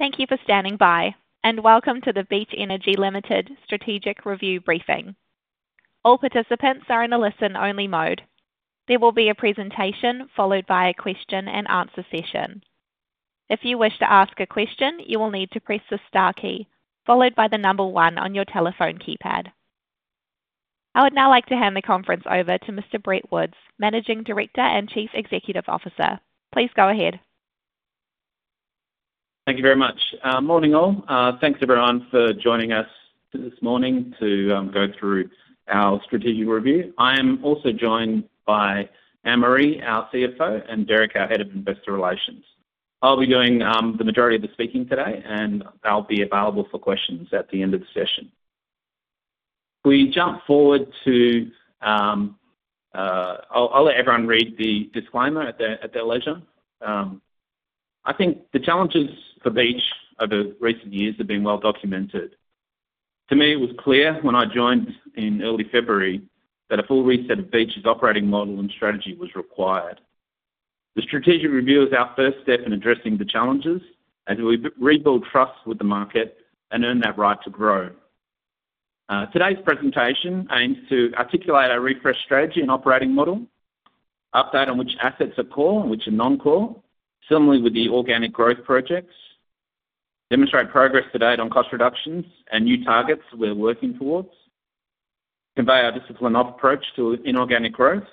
Thank you for standing by, and welcome to the Beach Energy Limited Strategic Review briefing. All participants are in a listen-only mode. There will be a presentation followed by a question-and-answer session. If you wish to ask a question, you will need to press the star key, followed by the number one on your telephone keypad. I would now like to hand the conference over to Mr. Brett Woods, Managing Director and Chief Executive Officer. Please go ahead. Thank you very much. Morning, all. Thanks, everyone, for joining us this morning to go through our strategic review. I am also joined by Anne-Marie, our CFO, and Derek, our Head of Investor Relations. I'll be doing the majority of the speaking today, and I'll be available for questions at the end of the session. We jump forward to. I'll let everyone read the disclaimer at their leisure. I think the challenges for Beach over recent years have been well documented. To me, it was clear when I joined in early February that a full reset of Beach's operating model and strategy was required. The strategic review is our first step in addressing the challenges as we rebuild trust with the market and earn that right to grow. Today's presentation aims to articulate our refreshed strategy and operating model, update on which assets are core and which are non-core, similarly with the organic growth projects, demonstrate progress to date on cost reductions and new targets we're working towards, convey our disciplined approach to inorganic growth.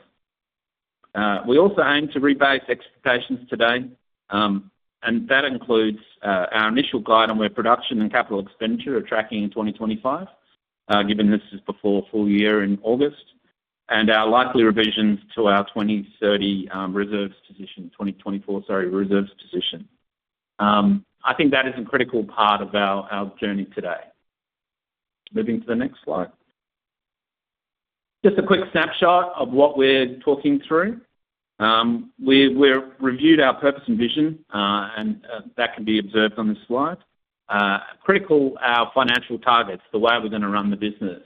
We also aim to rebase expectations today, and that includes, our initial guide on where production and capital expenditure are tracking in 2025, given this is before full year in August, and our likely revisions to our 2030 reserves position, 2024, sorry, reserves position. I think that is a critical part of our journey today. Moving to the next slide. Just a quick snapshot of what we're talking through. We've reviewed our purpose and vision, and that can be observed on this slide. Critical, our financial targets, the way we're gonna run the business,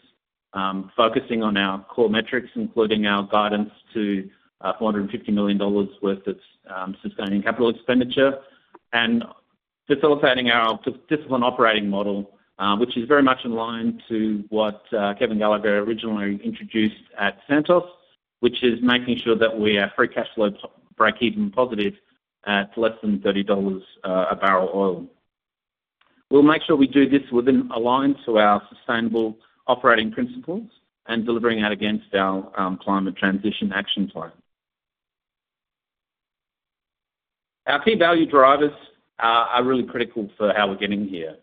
focusing on our core metrics, including our guidance to 450 million dollars worth of sustaining capital expenditure and facilitating our disciplined operating model, which is very much in line to what Kevin Gallagher originally introduced at Santos, which is making sure that we are free cash flow breakeven positive at less than $30 a barrel oil. We'll make sure we do this within aligned to our sustainable operating principles and delivering that against our Climate Transition Action Plan. Our key value drivers are really critical for how we're getting here.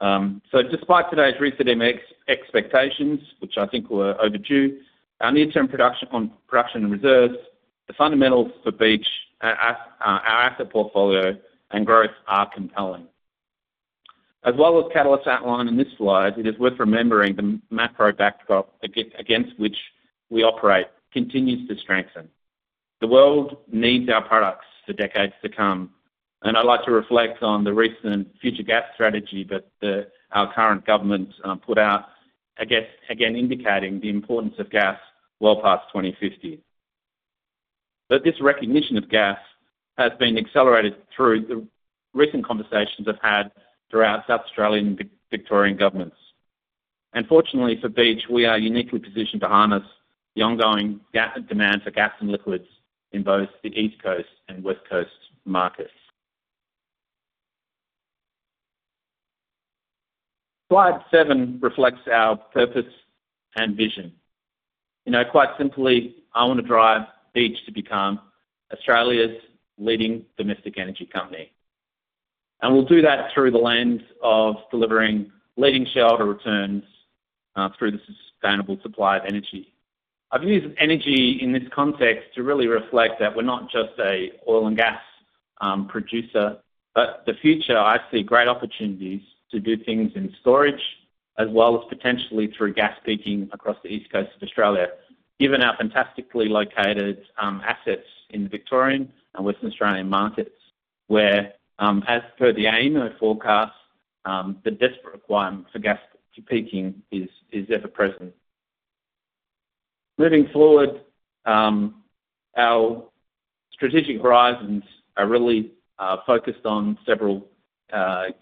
So despite today's recent market expectations, which I think were overdue, our near-term production on production and reserves, the fundamentals for Beach our asset portfolio and growth are compelling. As well as catalysts outlined in this slide, it is worth remembering the macro backdrop against which we operate continues to strengthen. The world needs our products for decades to come, and I'd like to reflect on the recent Future Gas Strategy that the our current government put out again, indicating the importance of gas well past 2050. But this recognition of gas has been accelerated through the recent conversations I've had throughout South Australian and Victorian governments. And fortunately, for Beach, we are uniquely positioned to harness the ongoing demand for gas and liquids in both the East Coast and West Coast markets. Slide seven reflects our purpose and vision. You know, quite simply, I want to drive Beach to become Australia's leading domestic energy company, and we'll do that through the lens of delivering leading shareholder returns, through the sustainable supply of energy. I've used energy in this context to really reflect that we're not just a oil and gas producer, but the future, I see great opportunities to do things in storage, as well as potentially through gas peaking across the east coast of Australia, given our fantastically located assets in the Victorian and Western Australian markets, where, as per the AEMO forecast, the desperate requirement for gas peaking is ever present. Moving forward, our strategic horizons are really focused on several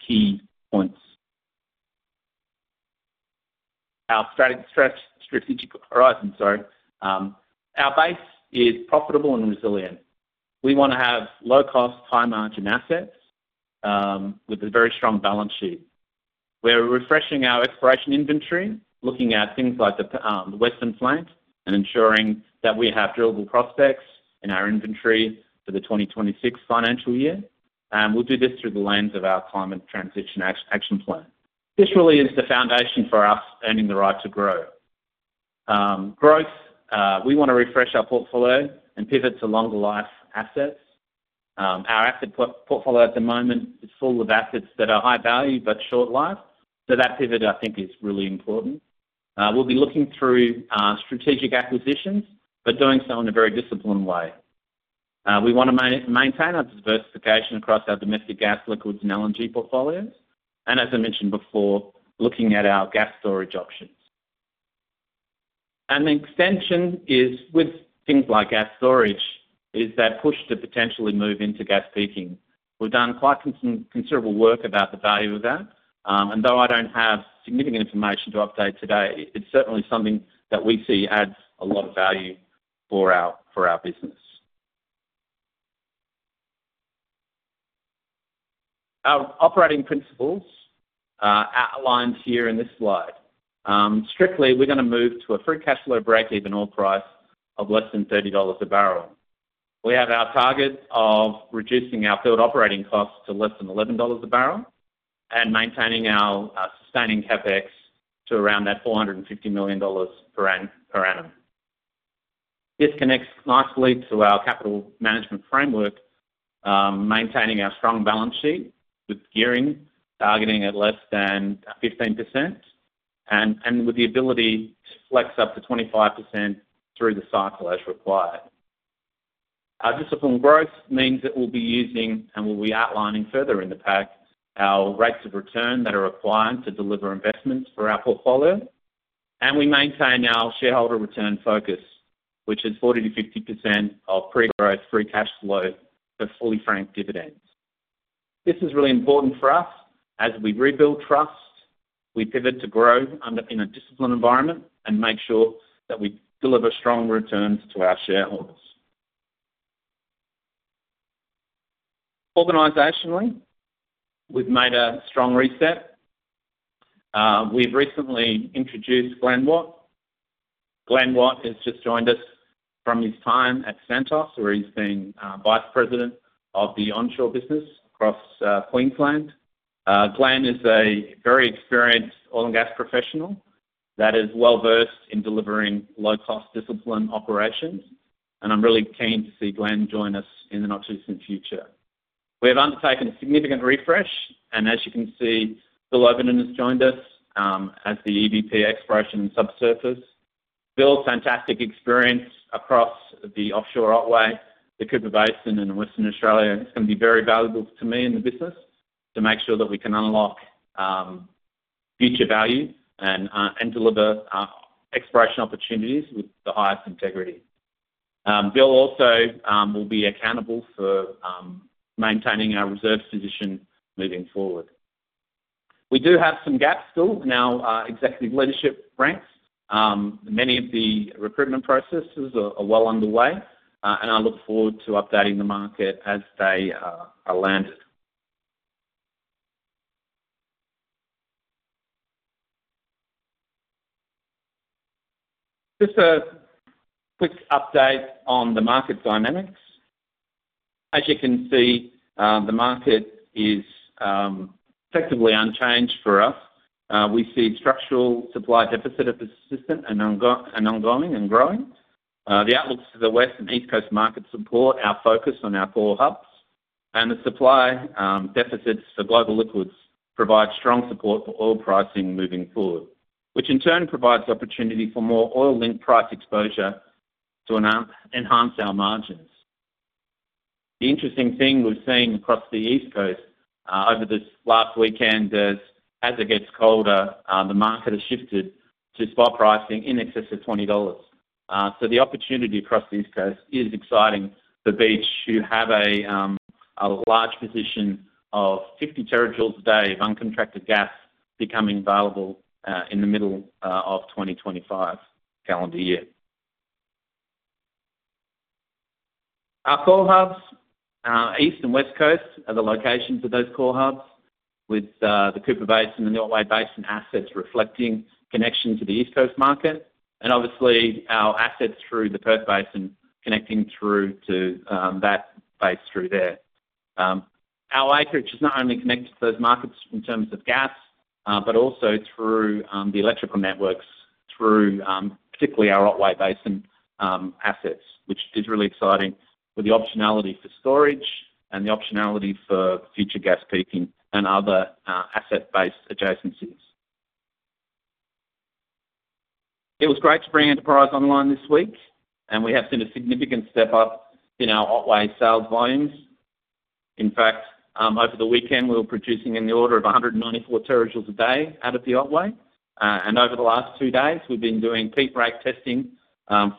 key points. Our strategic horizons, sorry. Our base is profitable and resilient. We want to have low-cost, high-margin assets with a very strong balance sheet. We're refreshing our exploration inventory, looking at things like the Western Flank and ensuring that we have drillable prospects in our inventory for the 2026 financial year, and we'll do this through the lens of our Climate Transition Action Plan. This really is the foundation for us earning the right to grow. Growth, we want to refresh our portfolio and pivot to longer-life assets. Our asset portfolio at the moment is full of assets that are high value but short-lived, so that pivot, I think, is really important. We'll be looking through strategic acquisitions, but doing so in a very disciplined way. We want to maintain our diversification across our domestic gas, liquids, and LNG portfolios, and as I mentioned before, looking at our gas storage options. And the extension is with things like gas storage, is that push to potentially move into gas peaking. We've done quite considerable work about the value of that. And though I don't have significant information to update today, it's certainly something that we see adds a lot of value for our, for our business. Our operating principles are outlined here in this slide. Strictly, we're gonna move to a free cash flow breakeven oil price of less than $30 a barrel. We have our target of reducing our field operating costs to less than $11 a barrel, and maintaining our sustaining CapEx to around that $450 million per annum. This connects nicely to our capital management framework, maintaining our strong balance sheet with gearing, targeting at less than 15%, and with the ability to flex up to 25% through the cycle as required. Our disciplined growth means that we'll be using, and we'll be outlining further in the pack, our rates of return that are required to deliver investments for our portfolio. We maintain our shareholder return focus, which is 40%-50% of pre-growth free cash flow for fully franked dividends. This is really important for us. As we rebuild trust, we pivot to growth under, in a disciplined environment, and make sure that we deliver strong returns to our shareholders. Organizationally, we've made a strong reset. We've recently introduced Glenn Watt. Glenn Watt has just joined us from his time at Santos, where he's been vice president of the onshore business across Queensland. Glenn is a very experienced oil and gas professional that is well-versed in delivering low-cost discipline operations, and I'm really keen to see Glenn join us in the not-too-distant future. We have undertaken a significant refresh, and as you can see, Bill Ovenden has joined us as the EVP Exploration and Subsurface. Bill, fantastic experience across the offshore Otway, the Cooper Basin, and Western Australia. It's gonna be very valuable to me and the business to make sure that we can unlock future value and deliver exploration opportunities with the highest integrity. Bill also will be accountable for maintaining our reserves position moving forward. We do have some gaps still in our executive leadership ranks. Many of the recruitment processes are well underway, and I look forward to updating the market as they are landed. Just a quick update on the market dynamics. As you can see, the market is effectively unchanged for us. We see structural supply deficit is persistent, and ongoing and growing. The outlooks for the West and East Coast market support our focus on our core hubs, and the supply deficits for global liquids provide strong support for oil pricing moving forward, which in turn provides opportunity for more oil-linked price exposure to enhance our margins. The interesting thing we've seen across the East Coast over this last weekend is, as it gets colder, the market has shifted to spot pricing in excess of 20 dollars. So the opportunity across the East Coast is exciting for Beach, who have a large position of 50 terajoules a day of uncontracted gas becoming available in the middle of 2025 calendar year. Our core hubs, East and West Coast, are the locations of those core hubs, with the Cooper Basin and the Otway Basin assets reflecting connection to the East Coast market, and obviously, our assets through the Perth Basin connecting through to that base through there. Our acreage is not only connected to those markets in terms of gas, but also through the electrical networks, through particularly our Otway Basin assets, which is really exciting, with the optionality for storage and the optionality for Future Gas Peaking and other asset-based adjacencies. It was great to bring Enterprise online this week, and we have seen a significant step up in our Otway sales volumes. In fact, over the weekend, we were producing in the order of 194 terajoules a day out of the Otway. And over the last two days, we've been doing peak rate testing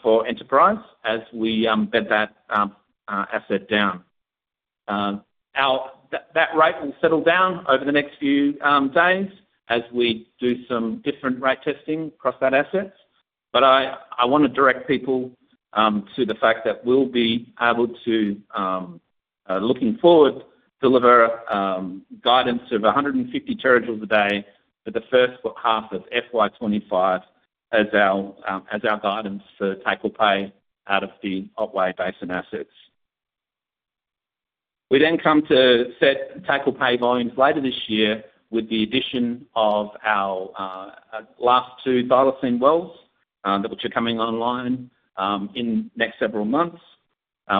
for Enterprise as we bed that asset down. That rate will settle down over the next few days as we do some different rate testing across that asset. But I wanna direct people to the fact that we'll be able to, looking forward, deliver guidance of 150 terajoules a day for the first half of FY 2025, as our guidance for take or pay out of the Otway Basin assets. We then come to set take or pay volumes later this year with the addition of our last two Thylacine wells, which are coming online in the next several months.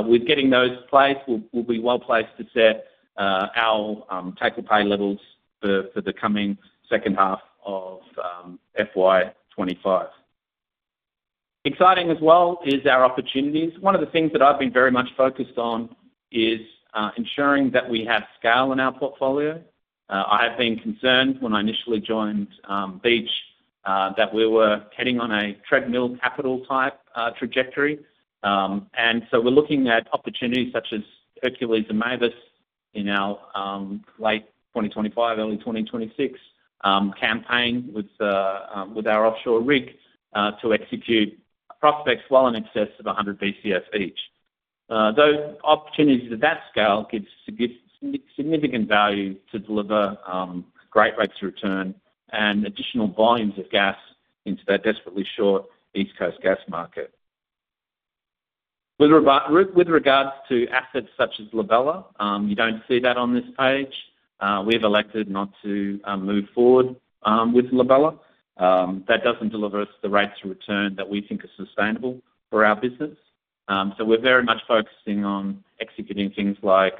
With getting those in place, we'll be well placed to set our take or pay levels for the coming second half of FY 2025. Exciting as well is our opportunities. One of the things that I've been very much focused on is ensuring that we have scale in our portfolio. I have been concerned when I initially joined Beach that we were heading on a treadmill capital-type trajectory. So we're looking at opportunities such as Hercules and Mavis in our late 2025, early 2026 campaign with our offshore rig to execute prospects well in excess of 100 BCF each. Those opportunities at that scale gives significant value to deliver, great rates of return and additional volumes of gas into that desperately short East Coast gas market. With regards to assets such as La Bella, you don't see that on this page. We've elected not to move forward with La Bella. That doesn't deliver us the rates of return that we think are sustainable for our business. So we're very much focusing on executing things like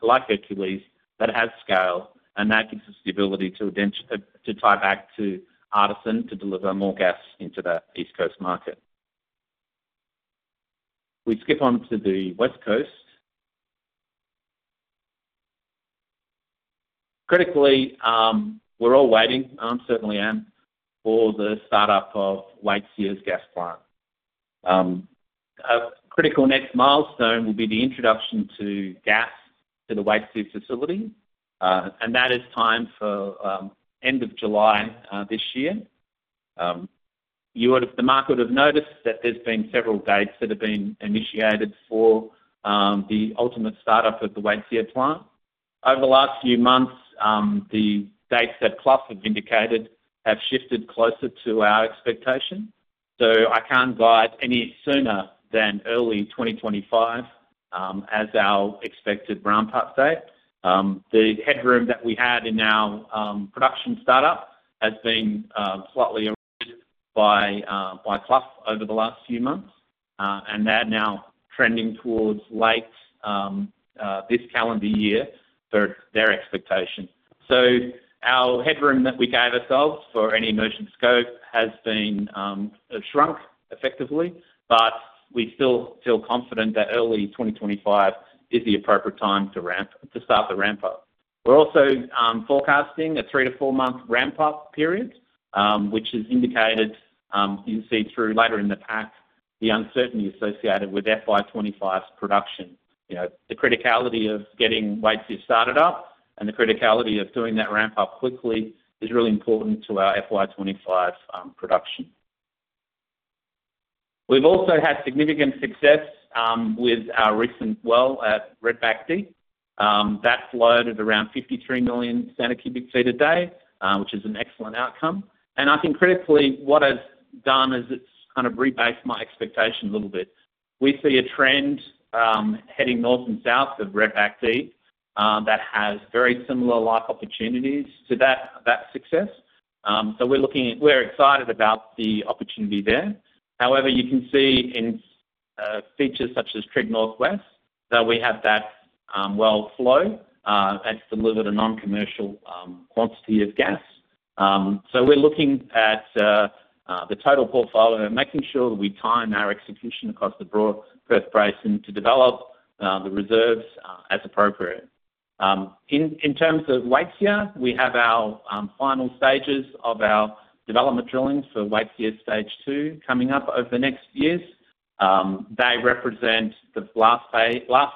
Hercules, that have scale, and that gives us the ability to dent. To tie back to Artisan to deliver more gas into that East Coast market. We skip on to the West Coast. Critically, we're all waiting, I certainly am, for the startup of Waitsia's gas plant. A critical next milestone will be the introduction to gas to the Waitsia facility, and that is timed for end of July this year. You would have the market would have noticed that there's been several dates that have been initiated for the ultimate startup of the Waitsia plant. Over the last few months, the dates that Clough have indicated have shifted closer to our expectation, so I can't guide any sooner than early 2025 as our expected ramp-up date. The headroom that we had in our production startup has been slightly by Clough over the last few months, and they're now trending towards late this calendar year for their expectation. So our headroom that we gave ourselves for any merchant scope has been shrunk effectively, but we still feel confident that early 2025 is the appropriate time to ramp to start the ramp-up. We're also forecasting a 3- to 4-month ramp-up period, which is indicated, you can see through later in the pack, the uncertainty associated with FY 2025's production. You know, the criticality of getting Waitsia started up and the criticality of doing that ramp-up quickly is really important to our FY 2025 production. We've also had significant success with our recent well at Redback Deep. That flowed at around 53 million standard cubic feet a day, which is an excellent outcome. And I think critically, what it's done is it's kind of rebased my expectation a little bit. We see a trend, heading north and south of Redback Deep, that has very similar life opportunities to that, that success. So we're looking at. We're excited about the opportunity there. However, you can see in, features such as Trigg Northwest, that we have that, well flow, that's delivered a non-commercial, quantity of gas. So we're looking at, the total portfolio and making sure that we time our execution across the broader Perth Basin to develop, the reserves, as appropriate. In terms of Waitsia, we have our final stages of our development drillings for Waitsia Stage 2 coming up over the next years. They represent the last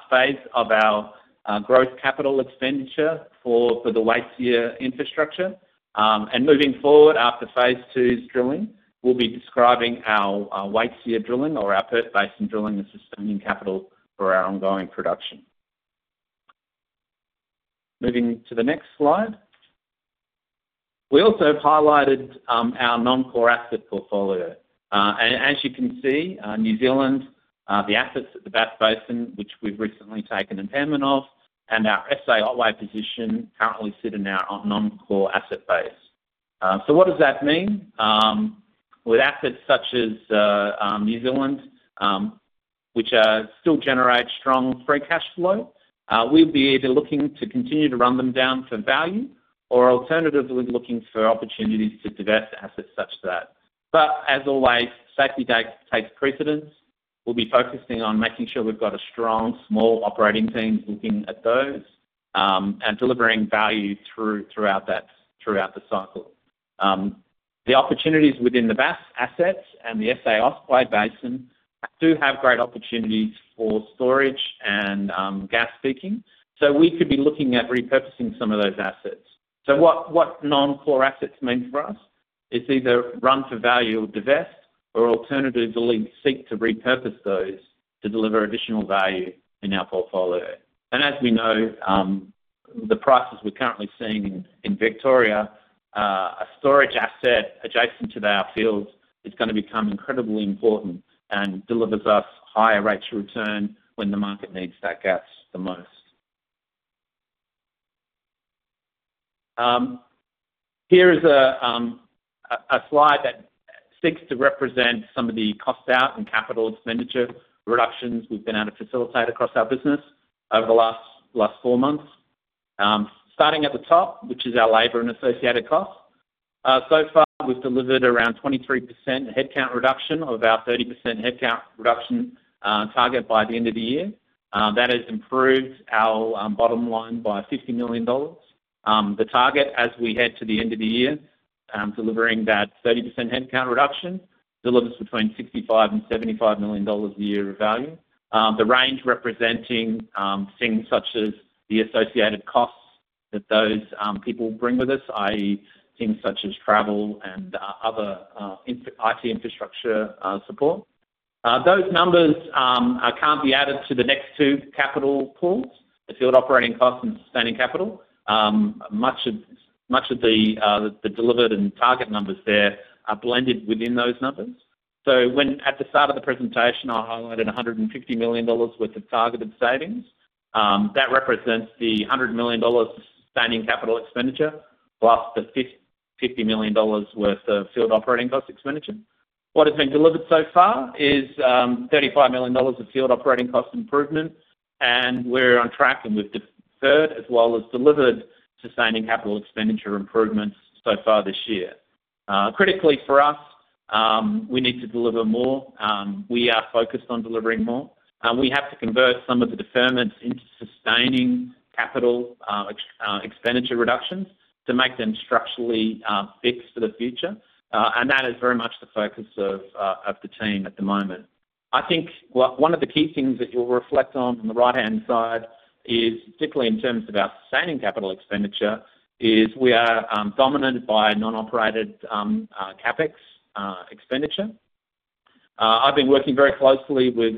phase of our growth capital expenditure for the Waitsia infrastructure. And moving forward, after Phase 2's drilling, we'll be describing our Waitsia drilling or our Perth Basin drilling, the sustaining capital for our ongoing production. Moving to the next slide. We also have highlighted our non-core asset portfolio. And as you can see, New Zealand, the assets at the Bass Basin, which we've recently taken impairment of, and our SA Otway position currently sit in our non-core asset base. So what does that mean? With assets such as New Zealand, which still generate strong free cash flow, we'll be either looking to continue to run them down for value or alternatively, looking for opportunities to divest assets such that. But as always, safety takes precedence. We'll be focusing on making sure we've got a strong, small operating team looking at those, and delivering value throughout that, throughout the cycle. The opportunities within the Bass assets and the SA Otway Basin do have great opportunities for storage and gas peaking, so we could be looking at repurposing some of those assets. So what non-core assets mean for us? It's either run for value or divest, or alternatively, seek to repurpose those to deliver additional value in our portfolio. As we know, the prices we're currently seeing in Victoria, a storage asset adjacent to our fields is gonna become incredibly important and delivers us higher rates of return when the market needs that gas the most. Here is a slide that seeks to represent some of the costs out and capital expenditure reductions we've been able to facilitate across our business over the last four months. Starting at the top, which is our labor and associated costs. So far, we've delivered around 23% headcount reduction of our 30% headcount reduction target by the end of the year. That has improved our bottom line by 50 million dollars. The target as we head to the end of the year, delivering that 30% headcount reduction, delivers between 65 million and 75 million dollars a year of value. The range representing things such as the associated costs that those people bring with us, i.e., things such as travel and other IT infrastructure support. Those numbers can't be added to the next two capital pools, the field operating costs and sustaining capital. Much of the delivered and target numbers there are blended within those numbers. So when at the start of the presentation, I highlighted 150 million dollars worth of targeted savings, that represents the 100 million dollars sustaining capital expenditure, plus the 50 million dollars worth of field operating cost expenditure. What has been delivered so far is, 35 million dollars of field operating cost improvements, and we're on track, and we've deferred as well as delivered, sustaining capital expenditure improvements so far this year. Critically for us, we need to deliver more. We are focused on delivering more. We have to convert some of the deferments into sustaining capital, expenditure reductions to make them structurally, fixed for the future. That is very much the focus of the team at the moment. I think one of the key things that you'll reflect on the right-hand side is, particularly in terms of our sustaining capital expenditure, is we are, dominated by non-operated, CapEx, expenditure. I've been working very closely with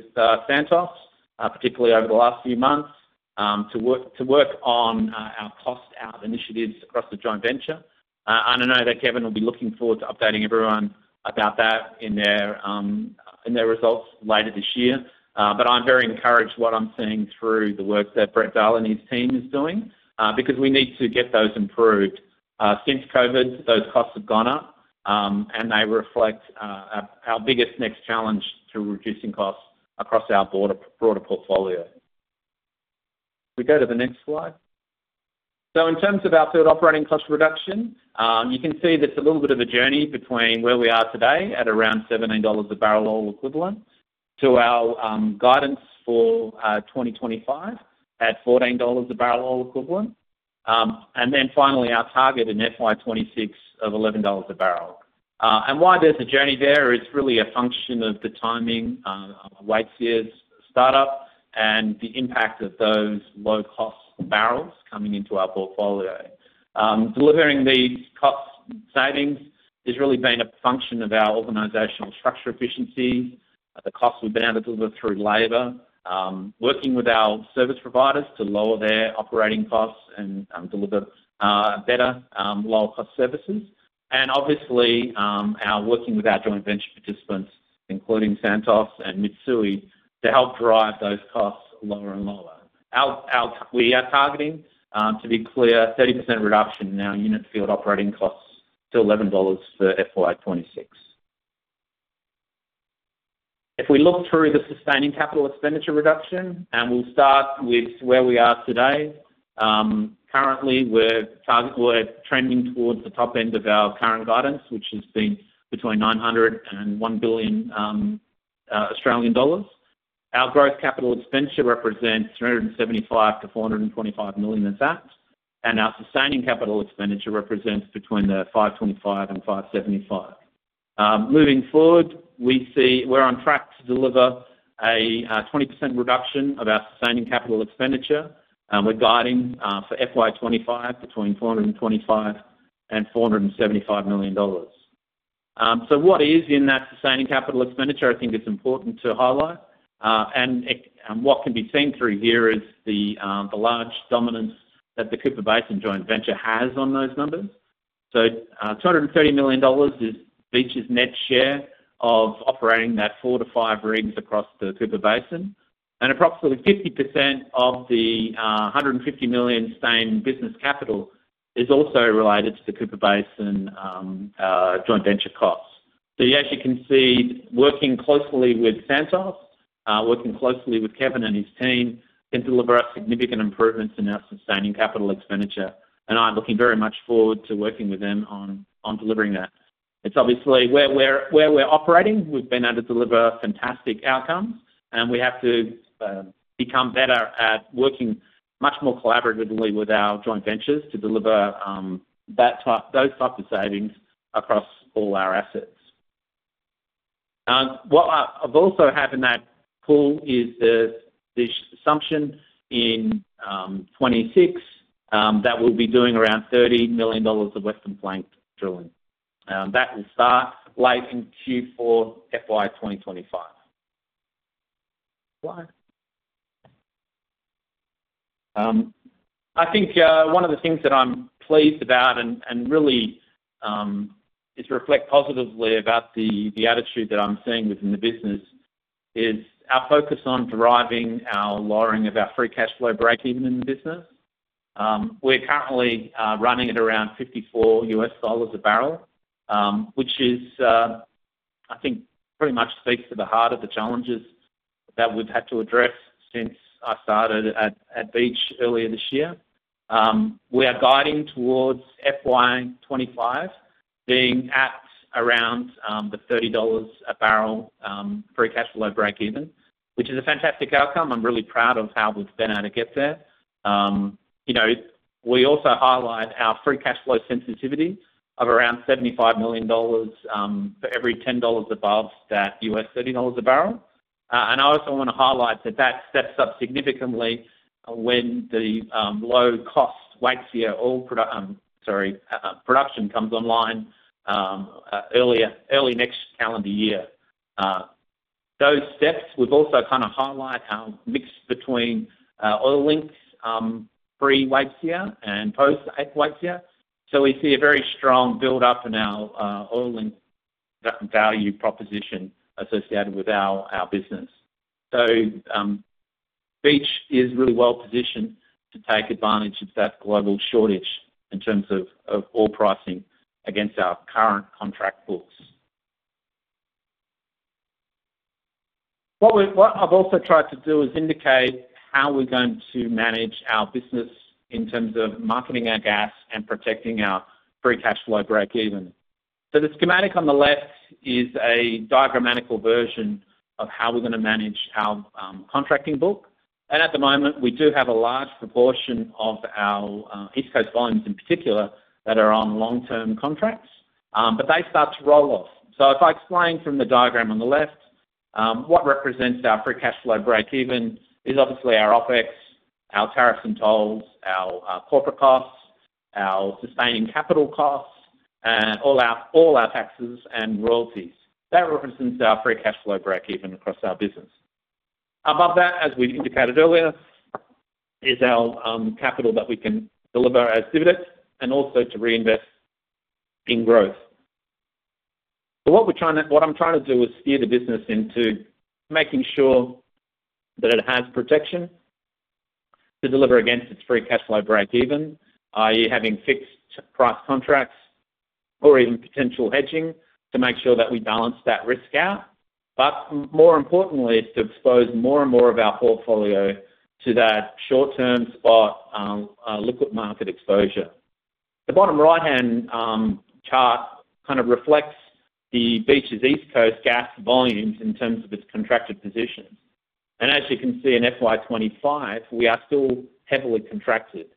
Santos, particularly over the last few months, to work on our cost out initiatives across the joint venture. And I know that Kevin will be looking forward to updating everyone about that in their results later this year. But I'm very encouraged what I'm seeing through the work that Brett Darley and his team is doing, because we need to get those improved. Since COVID, those costs have gone up, and they reflect our biggest next challenge to reducing costs across our broader portfolio. We go to the next slide. So in terms of our field operating cost reduction, you can see that it's a little bit of a journey between where we are today at around $17 a barrel oil equivalent, to our guidance for 2025 at $14 a barrel oil equivalent. And then finally, our target in FY 2026 of $11 a barrel. And why there's a journey there is really a function of the timing of Waitsia start-up and the impact of those low-cost barrels coming into our portfolio. Delivering these cost savings has really been a function of our organizational structure efficiency, the costs we've been able to deliver through labor, working with our service providers to lower their operating costs and deliver better, lower cost services. Obviously, we're working with our joint venture participants, including Santos and Mitsui, to help drive those costs lower and lower. We are targeting, to be clear, 30% reduction in our unit field operating costs to 11 dollars for FY 2026. If we look through the sustaining capital expenditure reduction, and we'll start with where we are today, currently, we're trending towards the top end of our current guidance, which has been between 900 million and 1 billion Australian dollars. Our growth capital expenditure represents 375 million-425 million in that, and our sustaining capital expenditure represents between 525 million and 575 million. Moving forward, we see we're on track to deliver a 20% reduction of our sustaining capital expenditure, and we're guiding for FY 2025 between 425 million and 475 million dollars. So what is in that sustaining capital expenditure? I think it's important to highlight. And what can be seen through here is the large dominance that the Cooper Basin Joint Venture has on those numbers. So, 230 million dollars is Beach's net share of operating that 4-5 rigs across the Cooper Basin. And approximately 50% of the 150 million sustaining business capital is also related to the Cooper Basin joint venture costs. So as you can see, working closely with Santos, working closely with Kevin and his team, can deliver us significant improvements in our sustaining capital expenditure, and I'm looking very much forward to working with them on, on delivering that. It's obviously where we're, where we're operating, we've been able to deliver fantastic outcomes, and we have to, become better at working much more collaboratively with our joint ventures to deliver, that type-- those types of savings across all our assets. What I, I've also had in that pool is the, the assumption in, 2026, that we'll be doing around 30 million dollars of Western Flank drilling. That will start late in Q4 FY 2025. Slide. I think one of the things that I'm pleased about and really is reflect positively about the attitude that I'm seeing within the business is our focus on driving our lowering of our free cash flow breakeven in the business. We're currently running at around $54 a barrel, which is I think pretty much speaks to the heart of the challenges that we've had to address since I started at Beach earlier this year. We are guiding towards FY 2025, being at around $30 a barrel free cash flow breakeven, which is a fantastic outcome. I'm really proud of how we've been able to get there. You know, we also highlight our free cash flow sensitivity of around $75 million for every $10 above that $30 a barrel. And I also want to highlight that that steps up significantly when the low-cost Waitsia oil production comes online early next calendar year. Those steps, we've also kind of highlight our mix between oil links pre-Waitsia and post-Waitsia. So we see a very strong build-up in our oil link value proposition associated with our business. So, Beach is really well-positioned to take advantage of that global shortage in terms of oil pricing against our current contract books. What I've also tried to do is indicate how we're going to manage our business in terms of marketing our gas and protecting our free cash flow breakeven. So the schematic on the left is a diagrammatical version of how we're going to manage our contracting book. And at the moment, we do have a large proportion of our East Coast volumes in particular, that are on long-term contracts, but they start to roll off. So if I explain from the diagram on the left, what represents our free cash flow breakeven is obviously our OpEx, our tariffs and tolls, our corporate costs, our sustaining capital costs, and all our taxes and royalties. That represents our free cash flow breakeven across our business. Above that, as we indicated earlier, is our capital that we can deliver as dividends and also to reinvest in growth. So what I'm trying to do is steer the business into making sure that it has protection to deliver against its free cash flow breakeven, i.e., having fixed price contracts or even potential hedging to make sure that we balance that risk out, but more importantly, to expose more and more of our portfolio to that short-term spot liquid market exposure. The bottom right-hand chart kind of reflects the Beach's East Coast gas volumes in terms of its contracted positions. As you can see in FY 2025, we are still heavily contracted.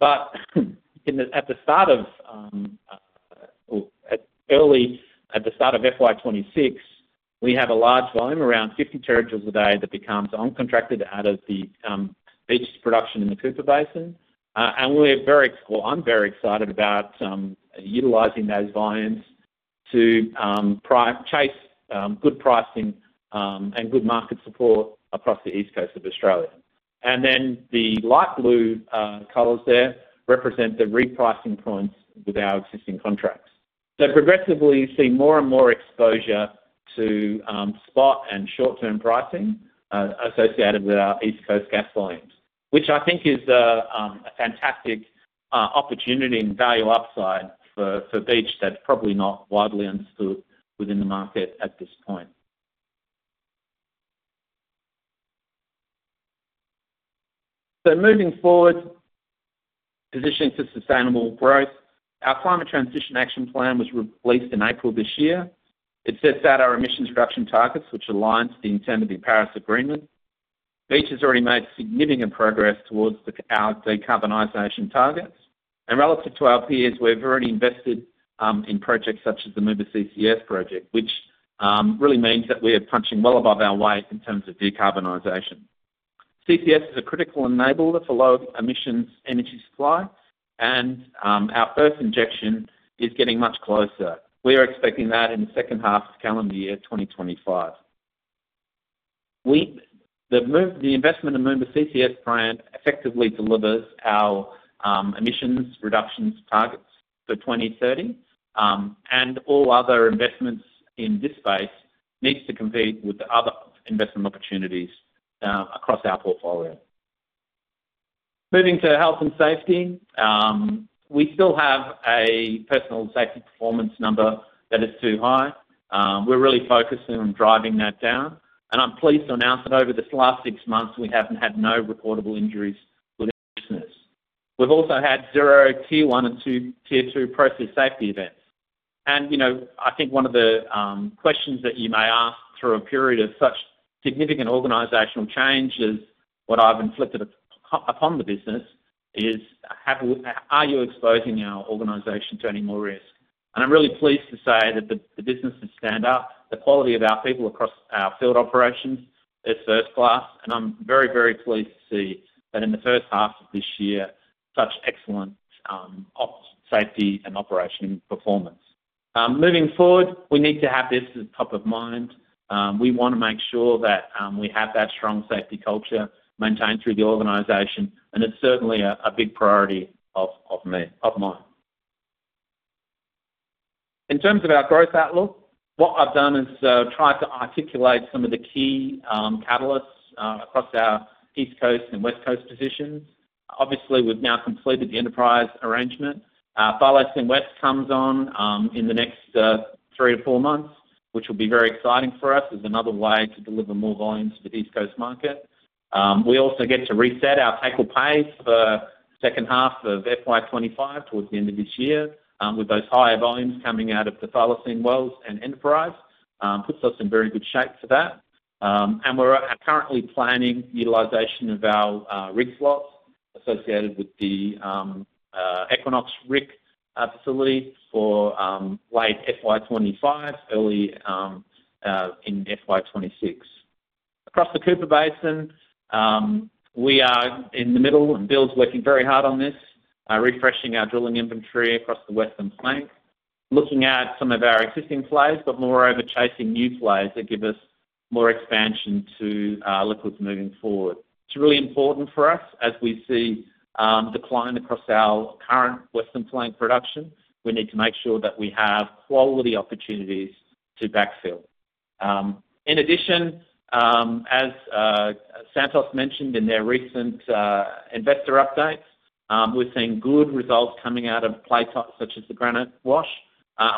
But at the start of FY 2026, we have a large volume, around 50 terajoules a day, that becomes uncontracted out of the Beach production in the Cooper Basin. And we're very excited. Well, I'm very excited about utilizing those volumes to purchase good pricing and good market support across the East Coast of Australia. And then the light blue colors there represent the repricing points with our existing contracts. So progressively, you see more and more exposure to spot and short-term pricing associated with our East Coast gas volumes, which I think is a fantastic opportunity and value upside for Beach that's probably not widely understood within the market at this point. So moving forward, positioning for sustainable growth. Our Climate Transition Action Plan was re-released in April this year. It sets out our emissions reduction targets, which aligns the intent of the Paris Agreement. Beach has already made significant progress towards our decarbonization targets, and relative to our peers, we've already invested in projects such as the Moomba CCS project, which really means that we are punching well above our weight in terms of decarbonization. CCS is a critical enabler for low-emissions energy supply, and our first injection is getting much closer. We are expecting that in the second half of calendar year 2025. The move, the investment in Moomba CCS plant effectively delivers our emissions reductions targets for 2030, and all other investments in this space needs to compete with the other investment opportunities across our portfolio. Moving to health and safety, we still have a personal safety performance number that is too high. We're really focusing on driving that down, and I'm pleased to announce that over this last six months, we haven't had no reportable injuries within the business. We've also had zero Tier 1 and 2 Tier 2 Process Safety Events. You know, I think one of the questions that you may ask through a period of such significant organizational change is, what I've inflicted upon the business is, are you exposing our organization to any more risk? I'm really pleased to say that the business is stand up. The quality of our people across our field operations is first-class, and I'm very, very pleased to see that in the first half of this year, such excellent ops, safety, and operation performance. Moving forward, we need to have this as top of mind. We want to make sure that we have that strong safety culture maintained through the organization, and it's certainly a big priority of me, of mine. In terms of our growth outlook, what I've done is try to articulate some of the key catalysts across our East Coast and West Coast positions. Obviously, we've now completed the Enterprise arrangement. Thylacine West comes on in the next three to four months, which will be very exciting for us, as another way to deliver more volumes to the East Coast market. We also get to reset our take-or-pay for second half of FY 2025, towards the end of this year, with those higher volumes coming out of the Thylacine wells and Enterprise, puts us in very good shape for that. And we're currently planning utilization of our rig slots associated with the Equinox rig facility for late FY 2025, early in FY 2026. Across the Cooper Basin, we are in the middle, and Bill's working very hard on this, refreshing our drilling inventory across the western flank, looking at some of our existing plays, but moreover, chasing new plays that give us more expansion to liquids moving forward. It's really important for us as we see decline across our current western flank production. We need to make sure that we have quality opportunities to backfill. In addition, as Santos mentioned in their recent investor update, we're seeing good results coming out of play types such as the Granite Wash.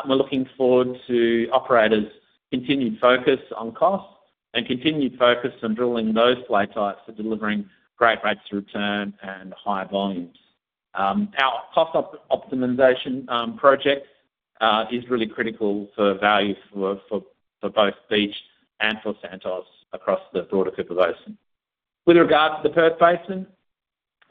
We're looking forward to operators' continued focus on cost and continued focus on drilling those play types for delivering great rates of return and higher volumes. Our cost optimization project is really critical for value for both Beach and for Santos across the broader Cooper Basin. With regards to the Perth Basin,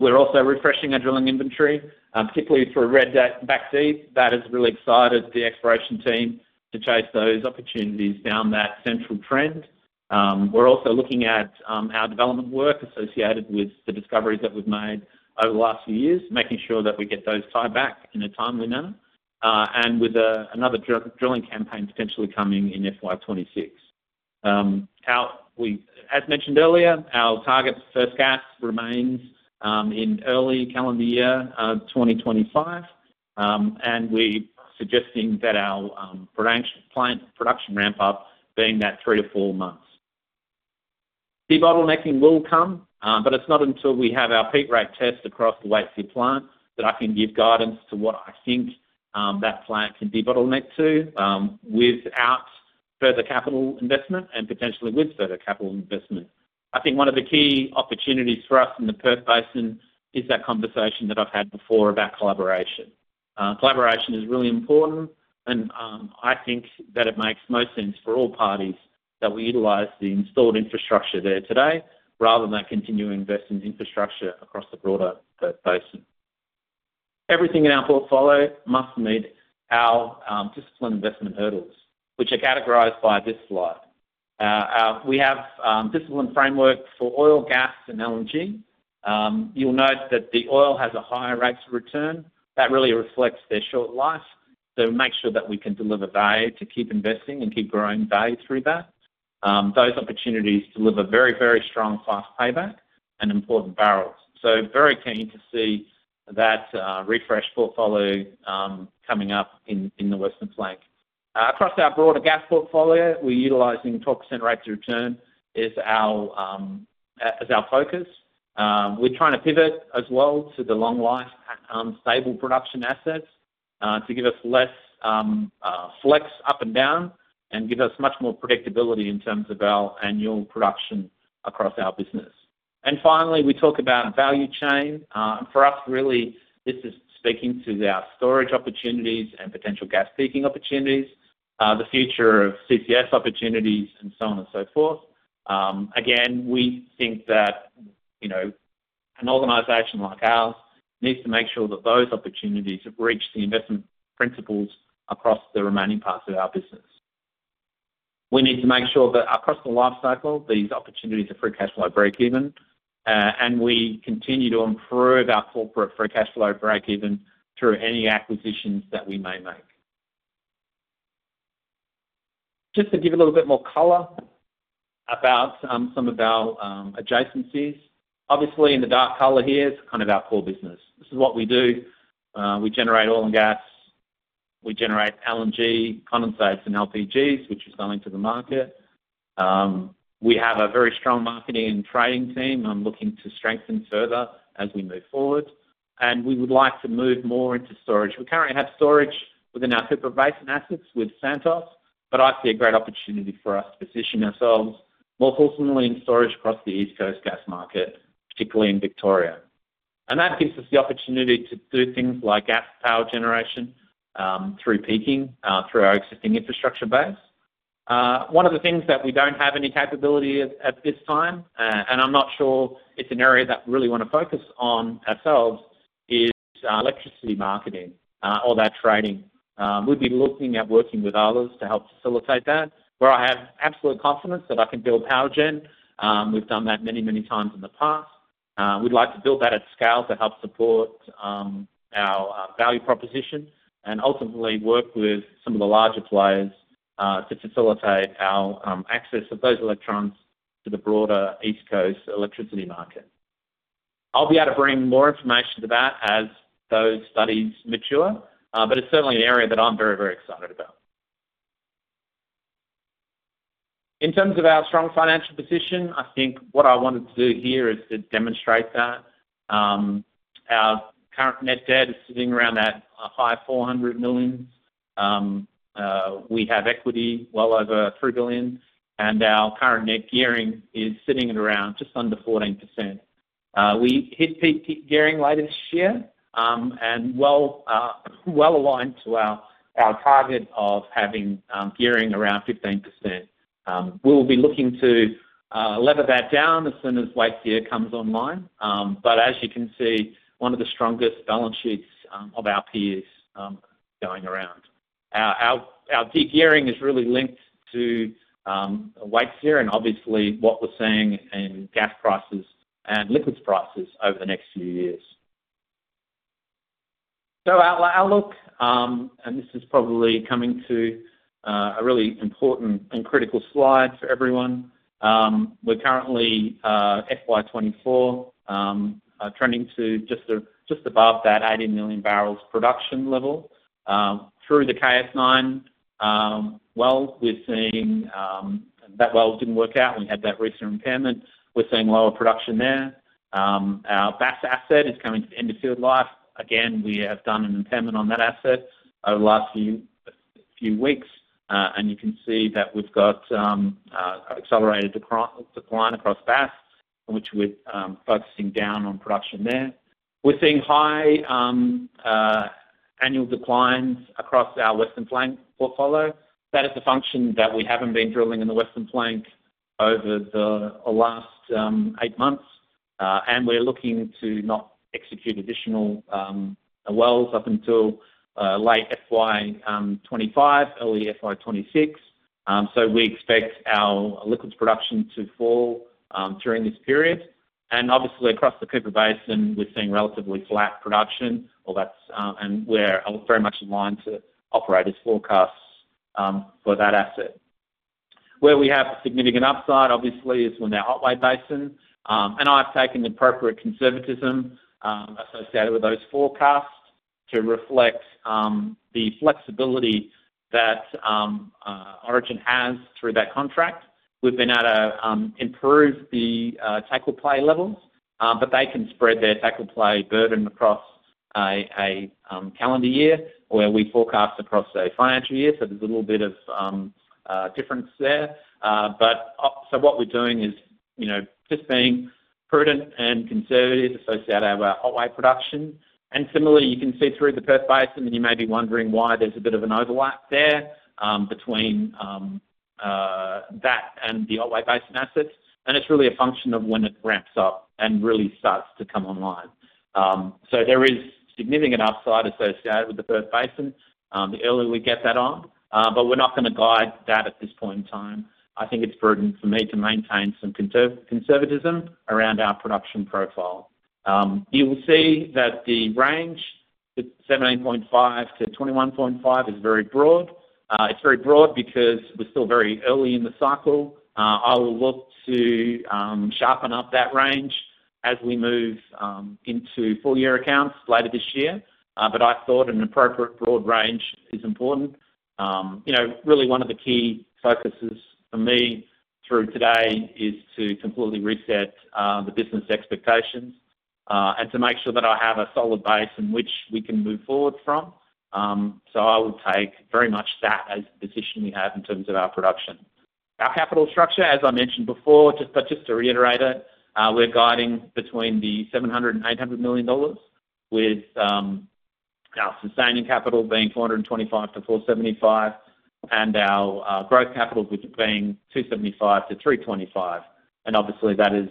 we're also refreshing our drilling inventory, particularly through a Redback Deep, that has really excited the exploration team to chase those opportunities down that central trend. We're also looking at our development work associated with the discoveries that we've made over the last few years, making sure that we get those tied back in a timely manner, and with another drilling campaign potentially coming in FY 2026. As mentioned earlier, our target for first gas remains in early calendar year 2025, and we're suggesting that our plant production ramp up being that three-four months. Debottlenecking will come, but it's not until we have our peak rate test across the Waitsia plant that I can give guidance to what I think that plant can debottleneck to, without further capital investment and potentially with further capital investment. I think one of the key opportunities for us in the Perth Basin is that conversation that I've had before about collaboration. Collaboration is really important and, I think that it makes most sense for all parties that we utilize the installed infrastructure there today, rather than continue to invest in infrastructure across the broader Perth Basin. Everything in our portfolio must meet our disciplined investment hurdles, which are categorized by this slide. We have disciplined framework for oil, gas, and LNG. You'll note that the oil has a higher rates of return. That really reflects their short life, so make sure that we can deliver value to keep investing and keep growing value through that. Those opportunities deliver very, very strong, fast payback and important barrels. So very keen to see that refreshed portfolio coming up in the Western Flank. Across our broader gas portfolio, we're utilizing 12% rates of return as our focus. We're trying to pivot as well to the long-life, stable production assets, to give us less, flex up and down, and give us much more predictability in terms of our annual production across our business. And finally, we talk about value chain. And for us, really, this is speaking to our storage opportunities and potential gas peaking opportunities, the future of CCS opportunities, and so on and so forth. Again, we think that, you know, an organization like ours needs to make sure that those opportunities have reached the investment principles across the remaining parts of our business. We need to make sure that across the life cycle, these opportunities are free cash flow breakeven, and we continue to improve our corporate free cash flow breakeven through any acquisitions that we may make. Just to give you a little bit more color about some of our adjacencies. Obviously, in the dark color here is kind of our core business. This is what we do. We generate oil and gas, we generate LNG, condensates, and LPGs, which are selling to the market. We have a very strong marketing and trading team, I'm looking to strengthen further as we move forward, and we would like to move more into storage. We currently have storage within our Cooper Basin assets with Santos, but I see a great opportunity for us to position ourselves more fortunately in storage across the East Coast gas market, particularly in Victoria. And that gives us the opportunity to do things like gas power generation through peaking through our existing infrastructure base. One of the things that we don't have any capability at this time, and I'm not sure it's an area that we really wanna focus on ourselves, is electricity marketing or that trading. We'd be looking at working with others to help facilitate that, where I have absolute confidence that I can build power gen. We've done that many, many times in the past. We'd like to build that at scale to help support our value proposition, and ultimately work with some of the larger players to facilitate our access of those electrons to the broader East Coast electricity market. I'll be able to bring more information to that as those studies mature, but it's certainly an area that I'm very, very excited about. In terms of our strong financial position, I think what I wanted to do here is to demonstrate that. Our current net debt is sitting around that high 400 million. We have equity well over 3 billion, and our current net gearing is sitting at around just under 14%. We hit peak gearing later this year, and well aligned to our target of having gearing around 15%. We will be looking to lever that down as soon as Waitsia comes online. But as you can see, one of the strongest balance sheets of our peers going around. Our gearing is really linked to Waitsia and obviously what we're seeing in gas prices and liquids prices over the next few years. So our outlook and this is probably coming to a really important and critical slide for everyone. We're currently FY 2024 trending to just above that 80 million barrels production level. Through the KS-9 well, we're seeing that well didn't work out. We had that recent impairment. We're seeing lower production there. Our Bass asset is coming to the end of field life. Again, we have done an impairment on that asset over the last few weeks, and you can see that we've got accelerated decline across Bass, which we're focusing down on production there. We're seeing high annual declines across our Western Flank portfolio. That is a function that we haven't been drilling in the Western Flank over the last eight months. And we're looking to not execute additional wells up until late FY 2025, early FY 2026. So we expect our liquids production to fall during this period. And obviously, across the Cooper Basin, we're seeing relatively flat production, and we're very much in line to operators' forecasts for that asset. Where we have a significant upside, obviously, is in our Otway Basin. And I've taken the appropriate conservatism associated with those forecasts to reflect the flexibility that Origin has through that contract. We've been able to improve the capex levels, but they can spread their capex burden across a calendar year, where we forecast across a financial year. So there's a little bit of difference there. So what we're doing is, you know, just being prudent and conservative with our Otway production. And similarly, you can see through the Perth Basin, and you may be wondering why there's a bit of an overlap there, between that and the Otway Basin assets, and it's really a function of when it ramps up and really starts to come online. So there is significant upside associated with the Perth Basin, the earlier we get that on, but we're not going to guide that at this point in time. I think it's prudent for me to maintain some conservatism around our production profile. You will see that the range, the 17.5-21.5, is very broad. It's very broad because we're still very early in the cycle. I will look to sharpen up that range as we move into full year accounts later this year. But I thought an appropriate broad range is important. You know, really, one of the key focuses for me through today is to completely reset the business expectations and to make sure that I have a solid base in which we can move forward from. So I would take very much that as the position we have in terms of our production. Our capital structure, as I mentioned before, just, but just to reiterate it, we're guiding between 700 million dollars and 800 million dollars, with our sustaining capital being 425 million to 475 million, and our growth capital between 275 million to 325 million. Obviously, that is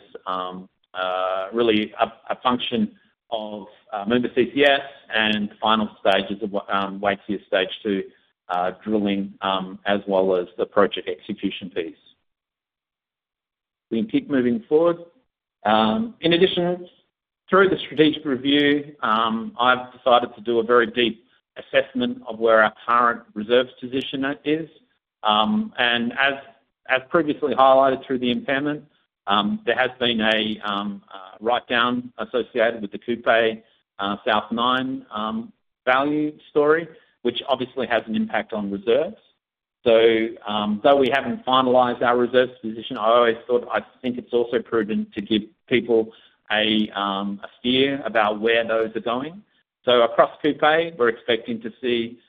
really a function of Moomba CCS and final stages of Waitsia stage 2 drilling, as well as the project execution piece. We keep moving forward. In addition, through the strategic review, I've decided to do a very deep assessment of where our current reserves position is. As previously highlighted through the impairment, there has been a write-down associated with the Kupe South-9 value story, which obviously has an impact on reserves. So, though we haven't finalized our reserves position, I always thought, I think it's also prudent to give people a steer about where those are going. So across Kupe, we're expecting to see,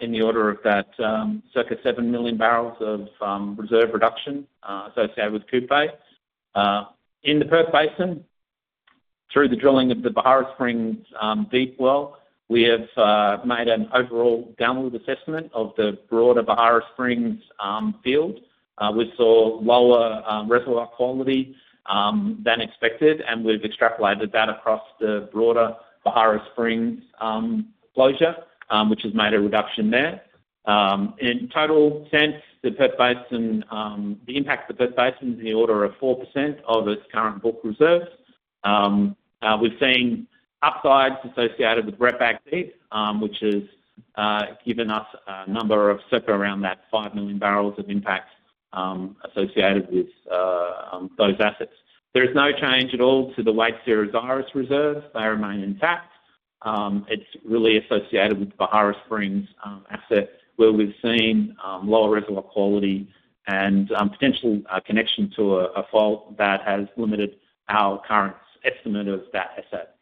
in the order of that, circa 7 million barrels of reserve reduction associated with Kupe. In the Perth Basin, through the drilling of the Beharra Springs Deep well, we have made an overall downward assessment of the broader Beharra Springs field. We saw lower reservoir quality than expected, and we've extrapolated that across the broader Beharra Springs closure, which has made a reduction there. In total sense, the Perth Basin, the impact of the Perth Basin is in the order of 4% of its current book reserves. We've seen upsides associated with Redback Deep, which has given us a number of circa around that 5 million barrels of impact, associated with those assets. There is no change at all to the Waitsia reserves. They remain intact. It's really associated with the Beharra Springs asset, where we've seen lower reservoir quality and potential connection to a fault that has limited our current estimate of that asset.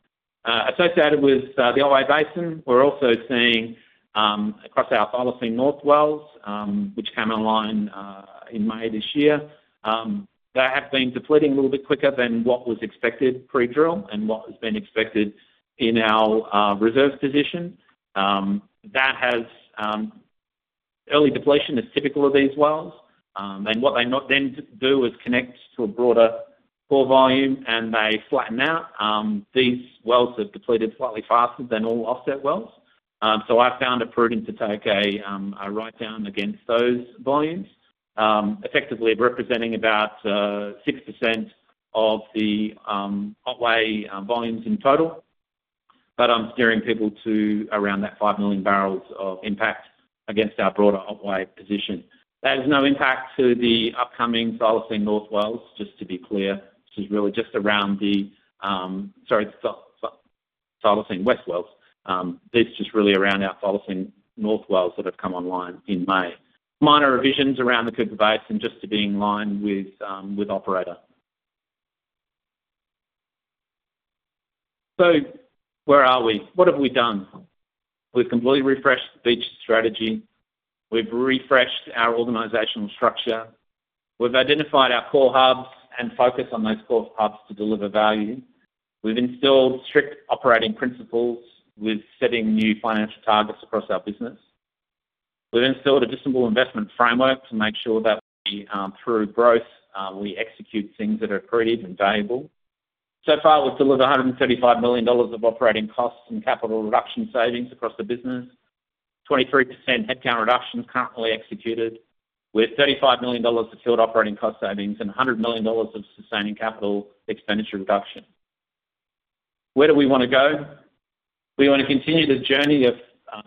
Associated with the Otway Basin, we're also seeing across our Thylacine North wells, which came online in May this year. They have been depleting a little bit quicker than what was expected pre-drill and what has been expected in our reserve position. That has. Early depletion is typical of these wells. What they do not then do is connect to a broader core volume, and they flatten out. These wells have depleted slightly faster than all offset wells. So I found it prudent to take a write-down against those volumes, effectively representing about 6% of the Otway volumes in total. But I'm steering people to around that 5 million barrels of impact against our broader Otway position. That has no impact to the upcoming Thylacine North wells, just to be clear. This is really just around the, sorry, Thylacine West wells. This is just really around our Thylacine North wells that have come online in May. Minor revisions around the Cooper Basin, just to be in line with operator. So where are we? What have we done? We've completely refreshed the Beach strategy. We've refreshed our organizational structure. We've identified our core hubs and focused on those core hubs to deliver value. We've instilled strict operating principles with setting new financial targets across our business. We've instilled a disciplined investment framework to make sure that we, through growth, we execute things that are accretive and valuable. So far, we've delivered 135 million dollars of operating costs and capital reduction savings across the business, 23% headcount reduction currently executed, with 35 million dollars of field operating cost savings and 100 million dollars of sustaining capital expenditure reduction. Where do we want to go? We want to continue the journey of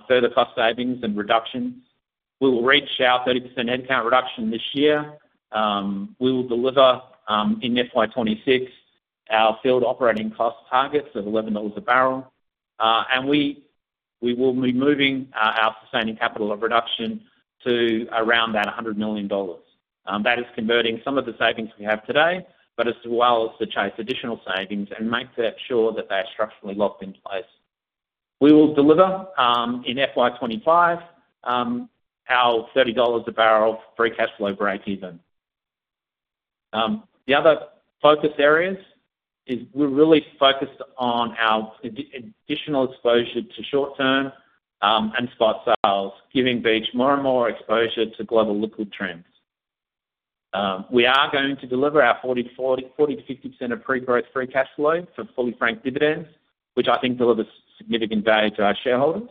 further cost savings and reductions. We will reach our 30% headcount reduction this year. We will deliver in FY 2026 our field operating cost targets of $11 a barrel. We will be moving our sustaining capital of reduction to around that 100 million dollars. That is converting some of the savings we have today, but as well as to chase additional savings and make sure that they are structurally locked in place. We will deliver in FY 2025 our $30 a barrel free cash flow breakeven. The other focus areas is we're really focused on our additional exposure to short-term and spot sales, giving Beach more and more exposure to global liquid trends. We are going to deliver our 40%-50% of pre-growth free cash flow for fully franked dividends, which I think delivers significant value to our shareholders,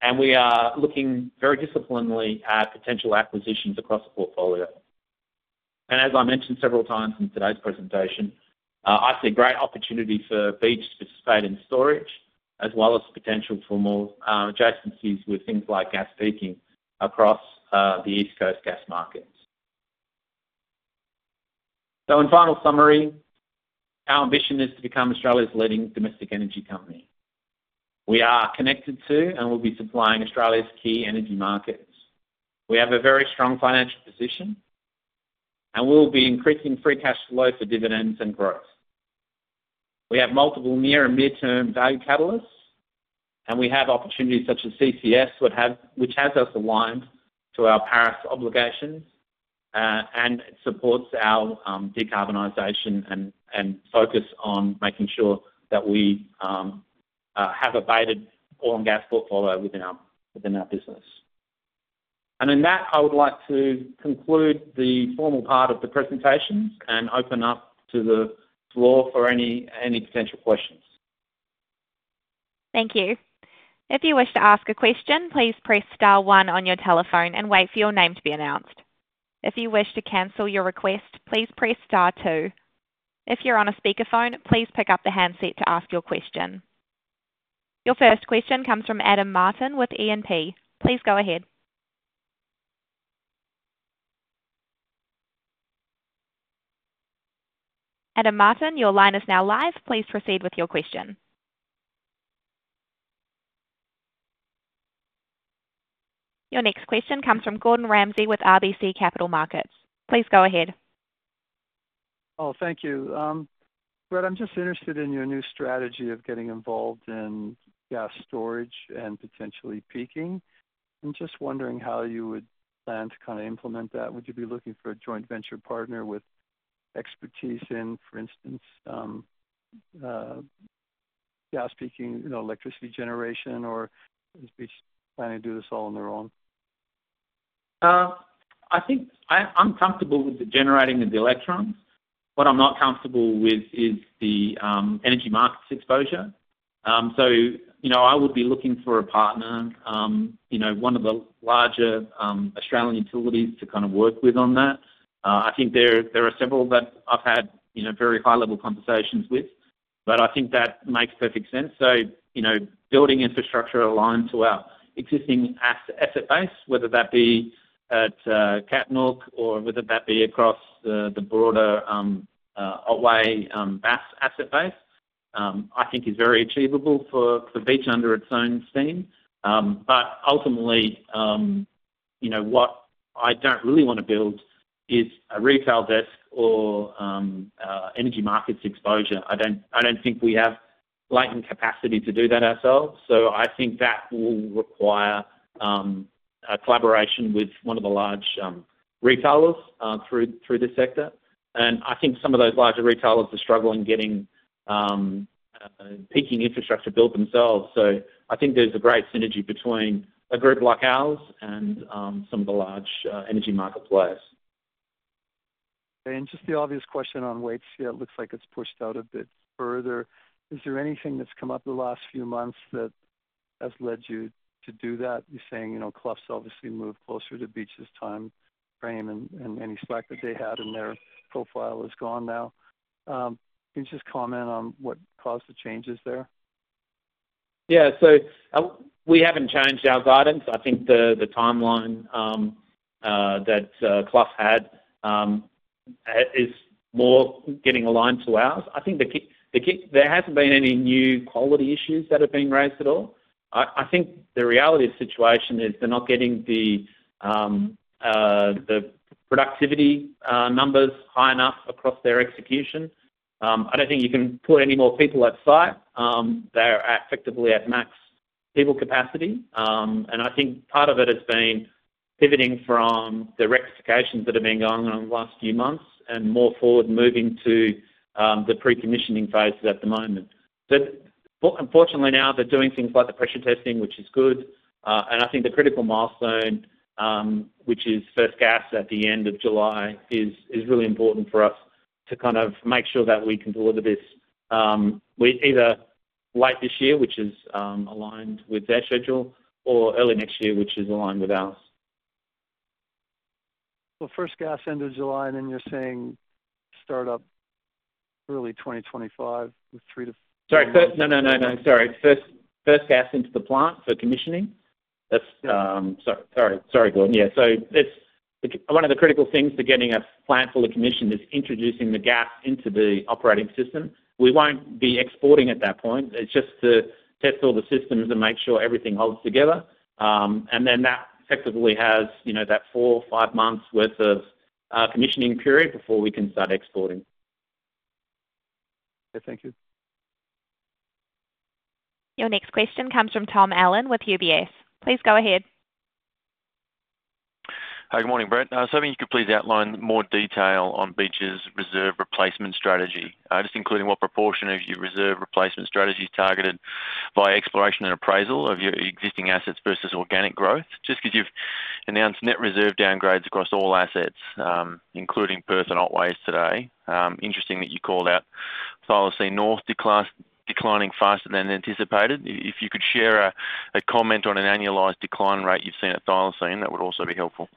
and we are looking very disciplinarily at potential acquisitions across the portfolio. As I mentioned several times in today's presentation, I see great opportunity for Beach to participate in storage, as well as potential for more adjacencies with things like gas peaking across the East Coast gas markets. In final summary, our ambition is to become Australia's leading domestic energy company. We are connected to and will be supplying Australia's key energy markets. We have a very strong financial position, and we will be increasing free cash flow for dividends and growth. We have multiple near and mid-term value catalysts, and we have opportunities such as CCS, which has us aligned to our Paris obligations, and it supports our decarbonization and focus on making sure that we have abated oil and gas portfolio within our business. In that, I would like to conclude the formal part of the presentation and open up to the floor for any potential questions. Thank you. If you wish to ask a question, please press star one on your telephone and wait for your name to be announced. If you wish to cancel your request, please press star two. If you're on a speakerphone, please pick up the handset to ask your question. Your first question comes from Adam Martin with E&P. Please go ahead. Adam Martin, your line is now live. Please proceed with your question. Your next question comes from Gordon Ramsay with RBC Capital Markets. Please go ahead. Oh, thank you. Brett, I'm just interested in your new strategy of getting involved in gas storage and potentially peaking. I'm just wondering how you would plan to kind of implement that. Would you be looking for a joint venture partner with expertise in, for instance, gas peaking, you know, electricity generation, or would Beach plan to do this all on their own? I think I'm comfortable with the generating of the electrons. What I'm not comfortable with is the energy markets exposure. So, you know, I would be looking for a partner, you know, one of the larger Australian utilities to kind of work with on that. I think there are several that I've had, you know, very high-level conversations with, but I think that makes perfect sense. So, you know, building infrastructure aligned to our existing asset base, whether that be at Katnook or whether that be across the broader Otway Basin asset base, I think is very achievable for Beach under its own steam. But ultimately, you know, what I don't really want to build is a retail desk or energy markets exposure. I don't think we have latent capacity to do that ourselves, so I think that will require a collaboration with one of the large retailers through this sector. And I think some of those larger retailers are struggling getting peaking infrastructure built themselves. So I think there's a great synergy between a group like ours and some of the large energy market players. Just the obvious question on Waitsia, yeah, it looks like it's pushed out a bit further. Is there anything that's come up in the last few months that has led you to do that? You're saying, you know, Clough's obviously moved closer to Beach's time frame, and any slack that they had in their profile is gone now. Can you just comment on what caused the changes there? Yeah. So, we haven't changed our guidance. I think the timeline that Clough had is more getting aligned to ours. I think the key—there hasn't been any new quality issues that have been raised at all. I think the reality of the situation is they're not getting the productivity numbers high enough across their execution. I don't think you can put any more people at site. They're effectively at max people capacity. And I think part of it has been pivoting from the rectifications that have been going on in the last few months, and more forward, moving to the pre-commissioning phases at the moment. But unfortunately, now, they're doing things like the pressure testing, which is good. And I think the critical milestone, which is first gas at the end of July, is really important for us to kind of make sure that we can deliver this, with either late this year, which is aligned with their schedule, or early next year, which is aligned with ours. Well, first gas, end of July, and then you're saying start up early 2025, with three to, Sorry. No, no, no, no, sorry. First, first gas into the plant for commissioning. That's, Sorry, sorry, sorry, Gordon. Yeah, so it's one of the critical things to getting a plant fully commissioned is introducing the gas into the operating system. We won't be exporting at that point. It's just to test all the systems and make sure everything holds together. And then that effectively has, you know, that four, five months worth of commissioning period before we can start exporting. Okay, thank you. Your next question comes from Tom Allen with UBS. Please go ahead. Hi, good morning, Brett. I was hoping you could please outline more detail on Beach's reserve replacement strategy. Just including what proportion of your reserve replacement strategy is targeted by exploration and appraisal of your existing assets versus organic growth. Just because you've announced net reserve downgrades across all assets, including Perth and Otway today. Interesting that you called out Thylacine North declining faster than anticipated. If you could share a comment on an annualized decline rate you've seen at Thylacine, that would also be helpful.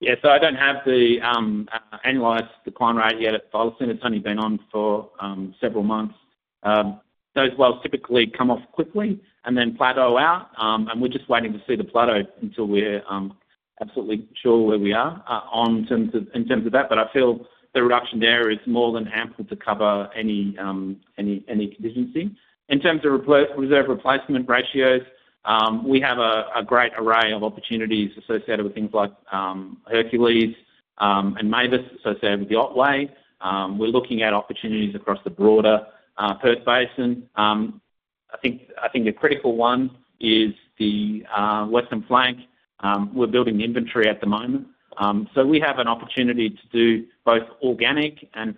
Yeah, so I don't have the annualized decline rate yet at Thylacine. It's only been on for several months. Those wells typically come off quickly and then plateau out, and we're just waiting to see the plateau until we're absolutely sure where we are in terms of that. But I feel the reduction there is more than ample to cover any contingency. In terms of reserve replacement ratios, we have a great array of opportunities associated with things like Hercules and Mavis, associated with the Otway. We're looking at opportunities across the broader Perth Basin. I think the critical one is the Western Flank. We're building the inventory at the moment. So we have an opportunity to do both organic and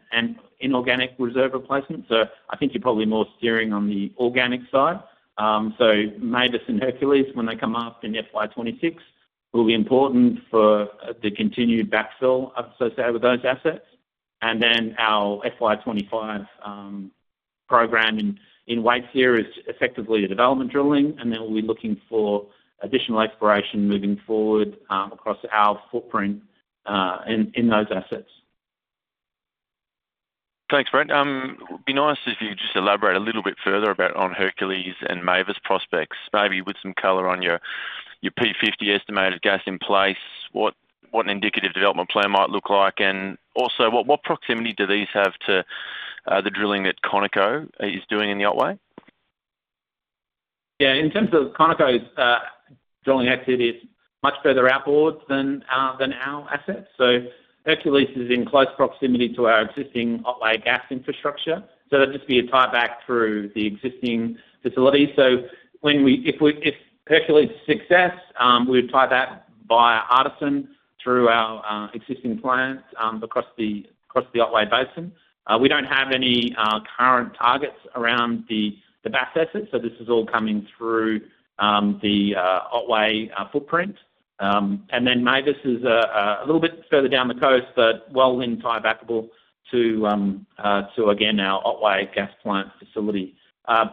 inorganic reserve replacement. So I think you're probably more steering on the organic side. So Mavis and Hercules, when they come up in FY 2026, will be important for the continued backfill associated with those assets. And then our FY 2025 program in Waitsia is effectively the development drilling, and then we'll be looking for additional exploration moving forward across our footprint in those assets. Thanks, Brent. It'd be nice if you just elaborate a little bit further about Hercules and Mavis prospects, maybe with some color on your P50 estimated gas in place, what an indicative development plan might look like, and also, what proximity do these have to the drilling that Conoco is doing in the Otway? Yeah, in terms of Conoco's drilling activity, it's much further outboards than our assets. So Hercules is in close proximity to our existing Otway gas infrastructure, so it'd just be a tieback through the existing facility. So if Hercules success, we would tie that via Artisan through our existing plants across the Otway Basin. We don't have any current targets around the Bass assets, so this is all coming through the Otway footprint. And then Mavis is a little bit further down the coast, but well in tiebackable to again our Otway gas plant facility.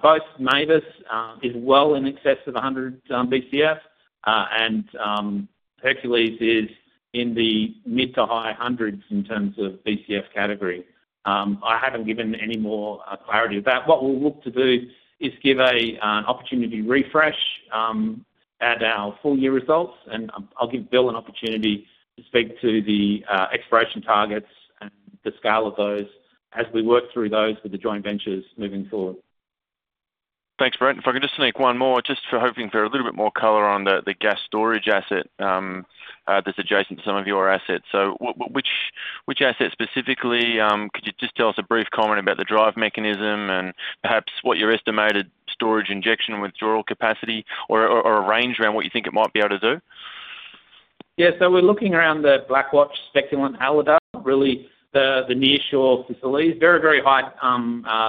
Both Mavis is well in excess of 100 BCF. And Hercules is in the mid- to high 100s in terms of BCF category. I haven't given any more clarity about. What we'll look to do is give a opportunity refresh at our full year results, and I'll give Bill an opportunity to speak to the exploration targets and the scale of those as we work through those with the joint ventures moving forward. Thanks, Brett. If I could just sneak one more, just for hoping for a little bit more color on the, the gas storage asset, that's adjacent to some of your assets. So which, which asset specifically, could you just tell us a brief comment about the drive mechanism and perhaps what your estimated storage, injection, and withdrawal capacity or a range around what you think it might be able to do? Yeah, so we're looking around the Black Watch, Speculant, and Halladale, really the nearshore facilities. Very, very high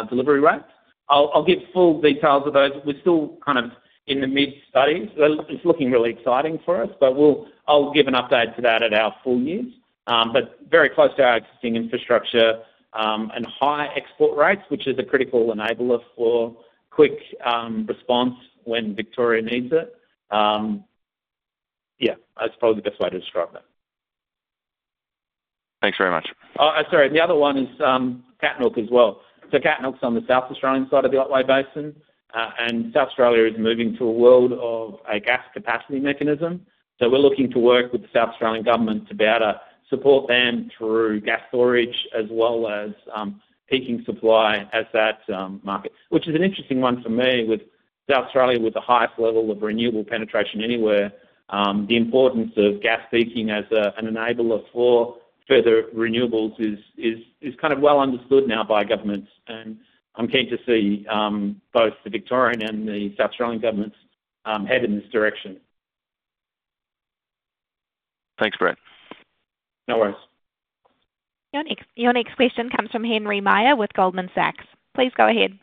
delivery rates. I'll give full details of those. We're still kind of in the mid-studies. It's looking really exciting for us, but I'll give an update to that at our full year. But very close to our existing infrastructure, and high export rates, which is a critical enabler for quick response when Victoria needs it. Yeah, that's probably the best way to describe that. Thanks very much. The other one is Katnook as well. So Katnook's on the South Australian side of the Otway Basin, and South Australia is moving to a world of a gas capacity mechanism. So we're looking to work with the South Australian government to be able to support them through gas storage as well as peaking supply as that market. Which is an interesting one for me, with South Australia with the highest level of renewable penetration anywhere, the importance of gas peaking as an enabler for further renewables is kind of well understood now by governments, and I'm keen to see both the Victorian and the South Australian governments head in this direction. Thanks, Brett. No worries. Your next question comes from Henry Meyer with Goldman Sachs. Please go ahead.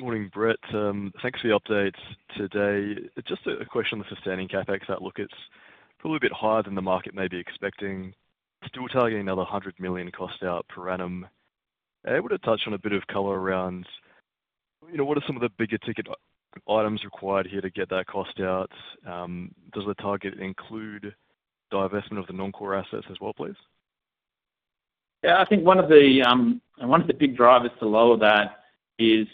Morning, Brett. Thanks for the updates today. Just a question on the sustaining CapEx outlook. It's probably a bit higher than the market may be expecting, still targeting another 100 million cost out per annum. Able to touch on a bit of color around, you know, what are some of the bigger ticket items required here to get that cost out? Does the target include divestment of the non-core assets as well, please? Yeah, I think one of the big drivers to lower that is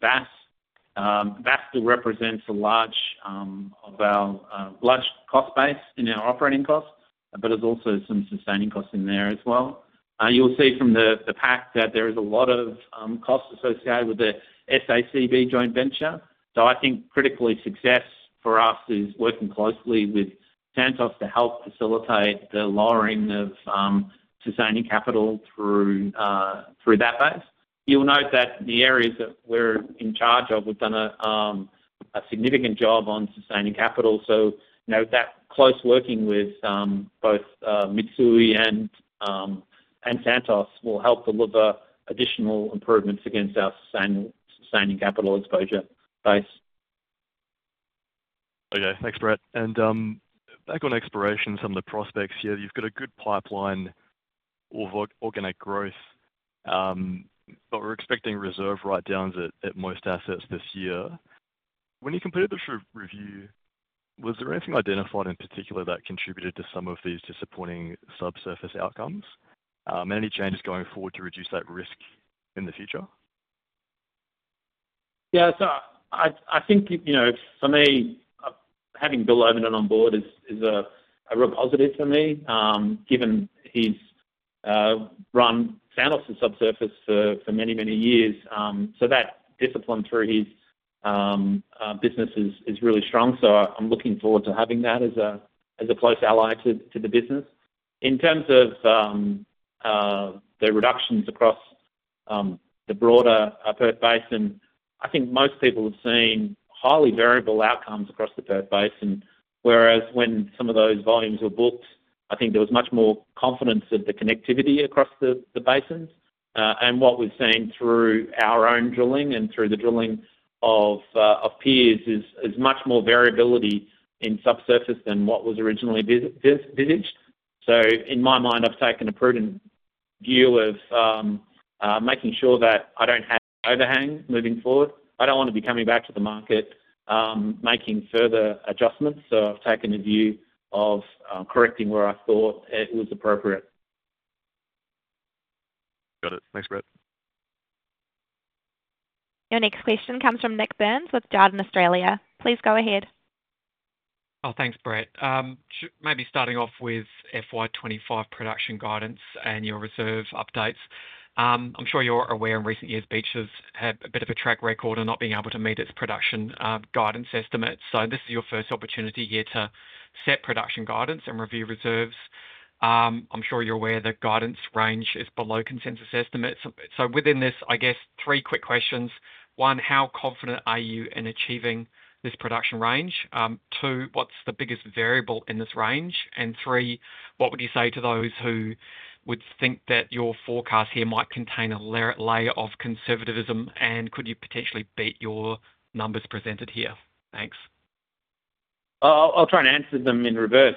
Bass. Bass still represents a large of our large cost base in our operating costs, but there's also some sustaining costs in there as well. You'll see from the pack that there is a lot of costs associated with the SACB joint venture. So I think critically, success for us is working closely with Santos to help facilitate the lowering of sustaining capital through that base. You'll note that the areas that we're in charge of, we've done a significant job on sustaining capital. So, you know, that close working with both Mitsui and Santos will help deliver additional improvements against our sustaining capital exposure base. Okay, thanks, Brett. And back on exploration, some of the prospects here, you've got a good pipeline of organic growth. But we're expecting reserve write-downs at most assets this year. When you completed the review, was there anything identified in particular that contributed to some of these disappointing subsurface outcomes? Any changes going forward to reduce that risk in the future? Yeah, so I think, you know, for me, having Bill Ovenden on board is a real positive for me, given he's run Santos' subsurface for many, many years. So that discipline through his business is really strong, so I'm looking forward to having that as a close ally to the business. In terms of the reductions across the broader Perth Basin, I think most people have seen highly variable outcomes across the Perth Basin. Whereas when some of those volumes were booked, I think there was much more confidence in the connectivity across the basins. And what we've seen through our own drilling and through the drilling of peers is much more variability in subsurface than what was originally envisaged. In my mind, I've taken a prudent view of making sure that I don't have overhang moving forward. I don't want to be coming back to the market, making further adjustments, so I've taken a view of correcting where I thought it was appropriate. Got it. Thanks, Brett. Your next question comes from Nik Burns with Jarden Australia. Please go ahead. Oh, thanks, Brett. Maybe starting off with FY 25 production guidance and your reserve updates. I'm sure you're aware in recent years, Beach has a bit of a track record on not being able to meet its production guidance estimates. So this is your first opportunity here to set production guidance and review reserves. I'm sure you're aware the guidance range is below consensus estimates. So within this, I guess three quick questions. One, how confident are you in achieving this production range? Two, what's the biggest variable in this range? And three, what would you say to those who would think that your forecast here might contain a layer of conservatism, and could you potentially beat your numbers presented here? Thanks. I'll try and answer them in reverse.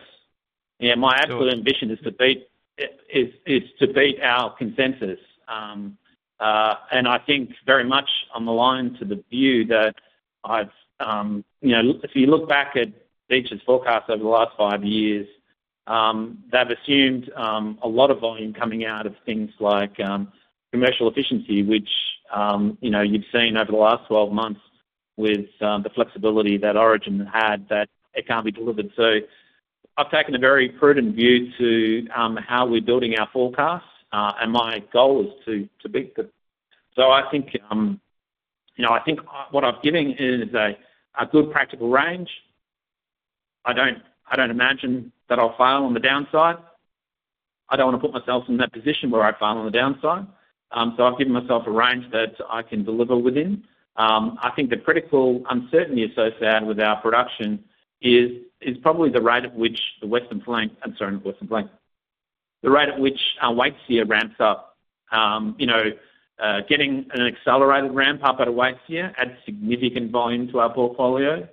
Yeah, my absolute ambition is to beat our consensus. And I think very much in line with the view that I've, you know, if you look back at Beach's forecast over the last five years, they've assumed a lot of volume coming out of things like commercial efficiency, which, you know, you've seen over the last 12 months with the flexibility that Origin had, that it can't be delivered. So I've taken a very prudent view to how we're building our forecast, and my goal is to beat them. So I think, you know, I think what I've given is a good practical range. I don't imagine that I'll fail on the downside. I don't wanna put myself in that position where I fail on the downside. So I've given myself a range that I can deliver within. I think the critical uncertainty associated with our production is probably the rate at which the Western Flank-- I'm sorry, not Western Flank. The rate at which our Waitsia ramps up. You know, getting an accelerated ramp up out of Waitsia adds significant volume to our portfolio.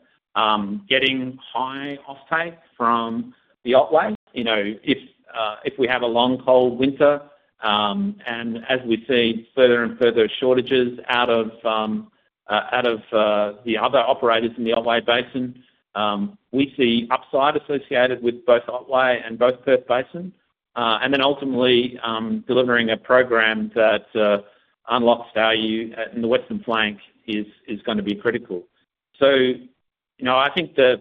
Getting high offtake from the Otway, you know, if we have a long, cold winter, and as we see further and further shortages out of the other operators in the Otway Basin, we see upside associated with both Otway and both Perth Basins. And then ultimately, delivering a program that unlocks value in the Western Flank is gonna be critical. So, you know, I think the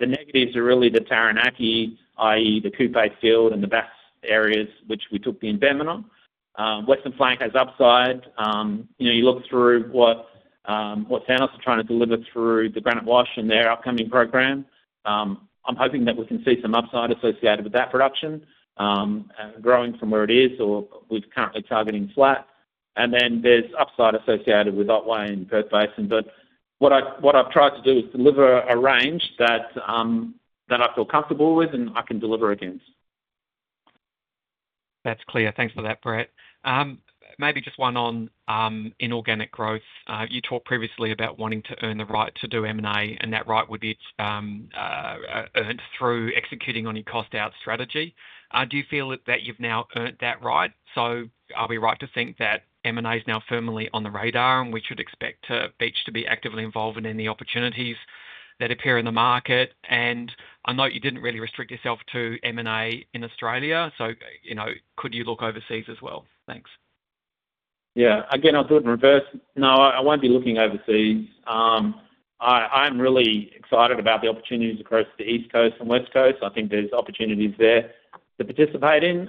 negatives are really the Taranaki, i.e., the Kupe Field and the Bass areas, which we took the impairment on. Western Flank has upside. You know, you look through what Santos are trying to deliver through the Granite Wash and their upcoming program. I'm hoping that we can see some upside associated with that production, and growing from where it is or we're currently targeting flat. And then there's upside associated with Otway and Perth Basin. But what I've tried to do is deliver a range that I feel comfortable with, and I can deliver against. That's clear. Thanks for that, Brett. Maybe just one on inorganic growth. You talked previously about wanting to earn the right to do M&A, and that right would be earned through executing on your cost out strategy. Do you feel that, that you've now earned that right? So are we right to think that M&A is now firmly on the radar, and we should expect Beach to be actively involved in any opportunities that appear in the market? And I know you didn't really restrict yourself to M&A in Australia, so, you know, could you look overseas as well? Thanks. Yeah. Again, I'll do it in reverse. No, I won't be looking overseas. I'm really excited about the opportunities across the East Coast and West Coast. I think there's opportunities there to participate in.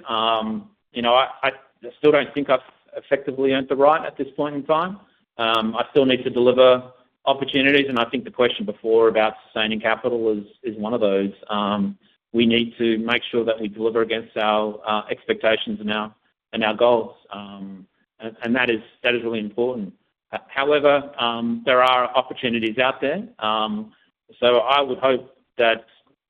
You know, I still don't think I've effectively earned the right at this point in time. I still need to deliver opportunities, and I think the question before about sustaining capital is one of those. We need to make sure that we deliver against our expectations and our goals. And that is really important. However, there are opportunities out there. So I would hope that,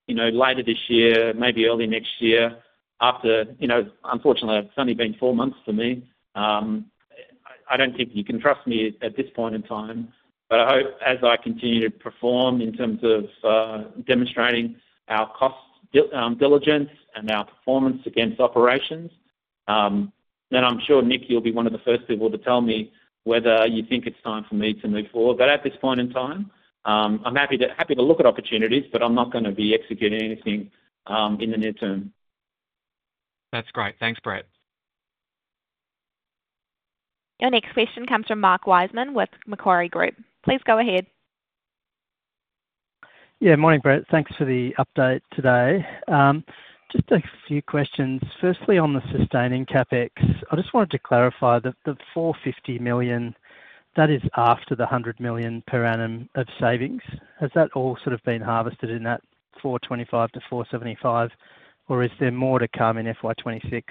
you know, later this year, maybe early next year, after. You know, unfortunately, it's only been four months for me. I don't think you can trust me at this point in time, but I hope as I continue to perform in terms of demonstrating our cost diligence and our performance against operations, then I'm sure, Nick, you'll be one of the first people to tell me whether you think it's time for me to move forward. But at this point in time, I'm happy to, happy to look at opportunities, but I'm not gonna be executing anything in the near term. That's great. Thanks, Brett. Your next question comes from Mark Wiseman with Macquarie Group. Please go ahead. Yeah. Morning, Brett. Thanks for the update today. Just a few questions. Firstly, on the sustaining CapEx, I just wanted to clarify that the 450 million, that is after the 100 million per annum of savings? Has that all sort of been harvested in that 425 million-475 million, or is there more to come in FY 2026?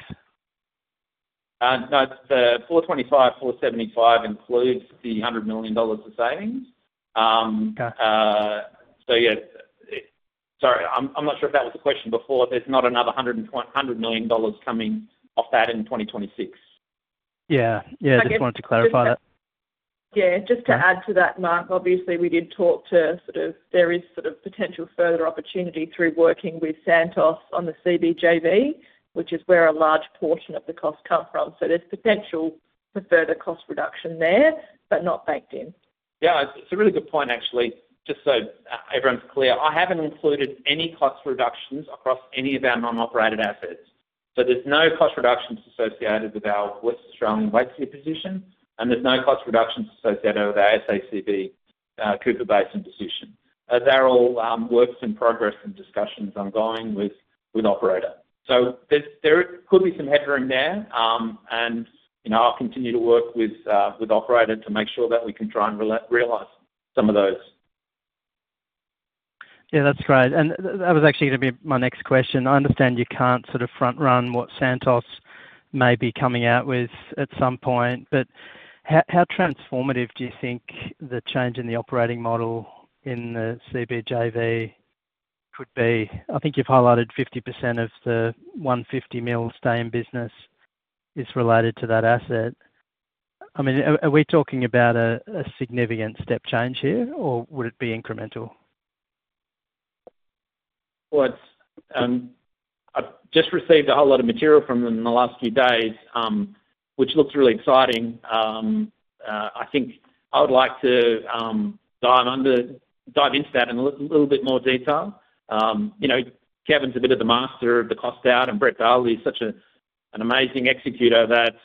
No, the 425-475 includes the 100 million dollars of savings. Okay. So yeah. Sorry, I'm not sure if that was the question before. There's not another 100 million dollars coming off that in 2026. Yeah. Yeah- I guess- Just wanted to Clarify that. Yeah, just to add to that, Mark, obviously, we did talk to sort of. There is sort of potential further opportunity through working with Santos on the CB JV, which is where a large portion of the costs come from. So there's potential for further cost reduction there, but not baked in. Yeah, it's a really good point, actually. Just so everyone's clear, I haven't included any cost reductions across any of our non-operated assets. So there's no cost reductions associated with our West Australian Waitsia position, and there's no cost reductions associated with our SACB Cooper Basin position, as they're all works in progress and discussions ongoing with operator. So there could be some headroom there, and, you know, I'll continue to work with operator to make sure that we can try and realize some of those. Yeah, that's great. And that was actually gonna be my next question. I understand you can't sort of front-run what Santos may be coming out with at some point, but how transformative do you think the change in the operating model in the CB JV could be? I think you've highlighted 50% of the 150 million stay-in-business is related to that asset. I mean, are we talking about a significant step change here, or would it be incremental? Well, it's, I've just received a whole lot of material from them in the last few days, which looks really exciting. I think I would like to dive into that in a little bit more detail. You know, Kevin's a bit of the master of the cost out, and Brett Darley is such an amazing executor that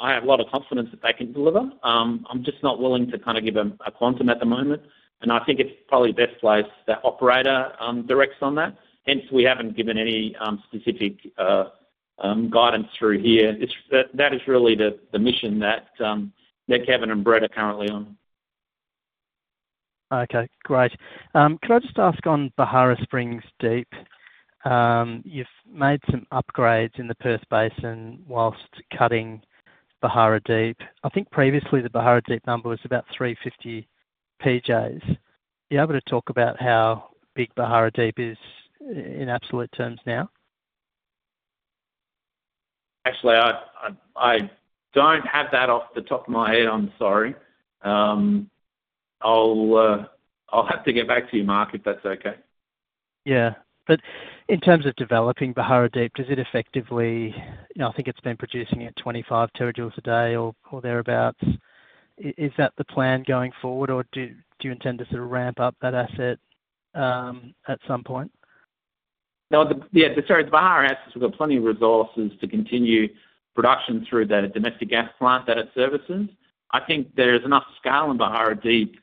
I have a lot of confidence that they can deliver. I'm just not willing to kind of give a quantum at the moment, and I think it's probably best placed that operator directs on that. Hence, we haven't given any specific guidance through here. That is really the mission that Kevin and Brett are currently on. Okay, great. Could I just ask on Beharra Springs Deep, you've made some upgrades in the Perth Basin while cutting Beharra Deep. I think previously, the Beharra Deep number was about 350 PJs. Are you able to talk about how big Beharra Deep is in absolute terms now? Actually, I don't have that off the top of my head. I'm sorry. I'll have to get back to you, Mark, if that's okay. Yeah, but in terms of developing Beharra Deep, does it effectively. You know, I think it's been producing at 25 terajoules a day or thereabout. Is that the plan going forward, or do you intend to sort of ramp up that asset at some point? No, the Beharra asset has got plenty of resources to continue production through that domestic gas plant that it services. I think there is enough scale in Beharra Deep,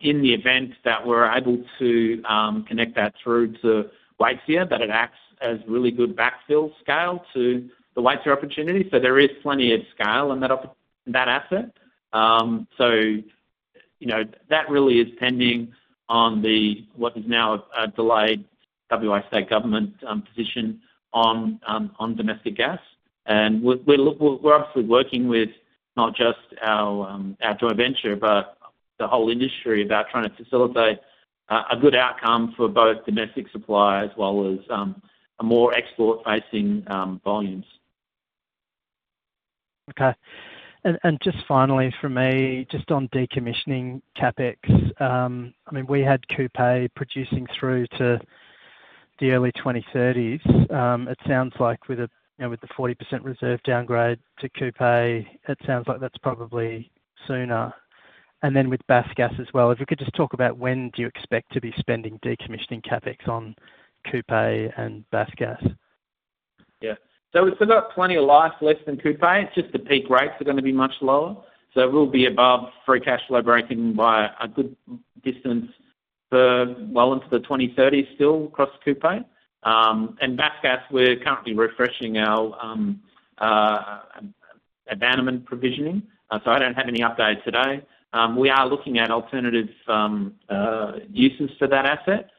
in the event that we're able to connect that through to Waitsia, that it acts as really good backfill scale to the Waitsia opportunity. So there is plenty of scale in that asset. So you know, that really is pending on the, what is now a delayed WA state government position on domestic gas. And we're obviously working with not just our joint venture, but the whole industry about trying to facilitate a good outcome for both domestic supply as well as a more export-facing volumes. Okay. And just finally for me, just on decommissioning CapEx, I mean, we had Kupe producing through to the early 2030s. It sounds like with the, you know, with the 40% reserve downgrade to Kupe, it sounds like that's probably sooner. And then with BassGas as well, if you could just talk about when do you expect to be spending decommissioning CapEx on Kupe and BassGas? Yeah. So we've still got plenty of life left in Kupe. It's just the peak rates are gonna be much lower, so we'll be above free cash flow breakeven by a good distance for well into the 2030s, still across Kupe. And BassGas, we're currently refreshing our abandonment provisioning, so I don't have any updates today. We are looking at alternative uses for that asset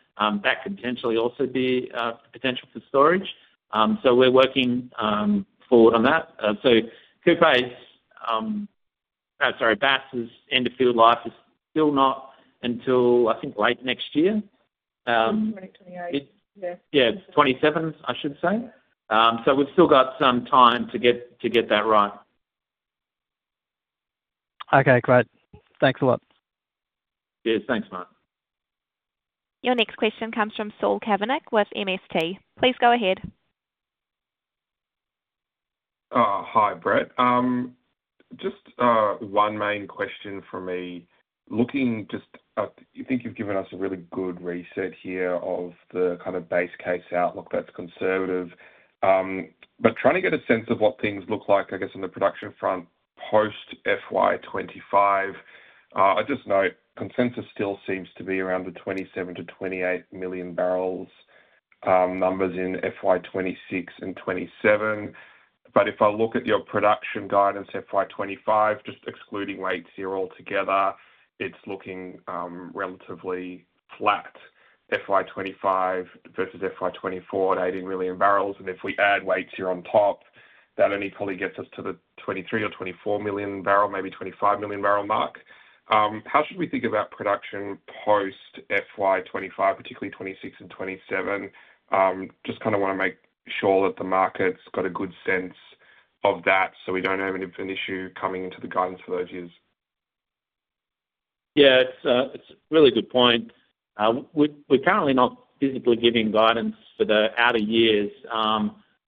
that could potentially also be potential for storage. So we're working forward on that. So Kupe's. Sorry, Bass' end of field life is still not until, I think, late next year. 2028. Yeah, it's 27, I should say. So we've still got some time to get, to get that right. Okay, great. Thanks a lot. Yeah, thanks, Mark. Your next question comes from Saul Kavonic with MST. Please go ahead. Hi, Brett. Just one main question for me. Looking just, I think you've given us a really good reset here of the kind of base case outlook that's conservative. But trying to get a sense of what things look like, I guess, on the production front, post FY 2025. I just note, consensus still seems to be around the 27-28 million barrels numbers in FY 2026 and 2027. But if I look at your production guidance, FY 2025, just excluding Waitsia altogether, it's looking relatively flat. FY 2025 versus FY 2024 at 18 million barrels, and if we add Waitsia on top, that only probably gets us to the 23 or 24 million barrel, maybe 25 million barrel mark. How should we think about production post FY 2025, particularly 2026 and 2027? Just kinda wanna make sure that the market's got a good sense of that, so we don't have an infinite issue coming into the guidance for those years. Yeah, it's a, it's a really good point. We're currently not physically giving guidance for the outer years,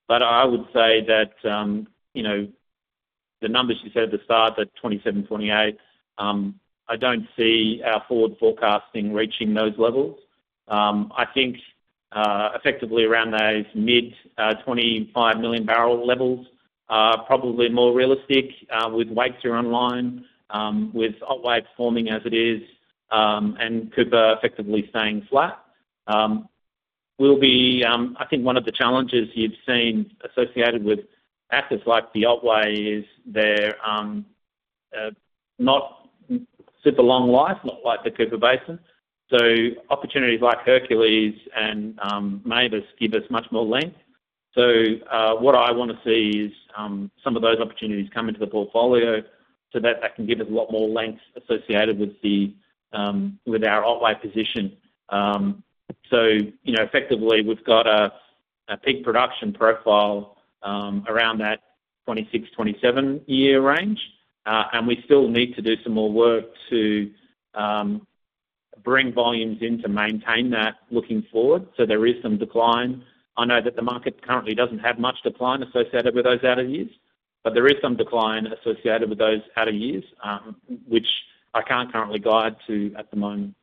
but I would say that, you know, the numbers you said at the start, that 27, 28, I don't see our forward forecasting reaching those levels. I think, effectively around those mid-25 million barrel levels are probably more realistic, with Waitsia online, with Otway performing as it is, and Cooper effectively staying flat. We'll be. I think one of the challenges you've seen associated with assets like the Otway is they're not super long life, not like the Cooper Basin. So opportunities like Hercules and, Mavis give us much more length. So, what I wanna see is, some of those opportunities come into the portfolio so that that can give us a lot more length associated with the, with our Otway position. So, you know, effectively, we've got a peak production profile, around that 26-27 year range. And we still need to do some more work to, bring volumes in to maintain that looking forward. So there is some decline. I know that the market currently doesn't have much decline associated with those out of years, but there is some decline associated with those out of years, which I can't currently guide to at the moment.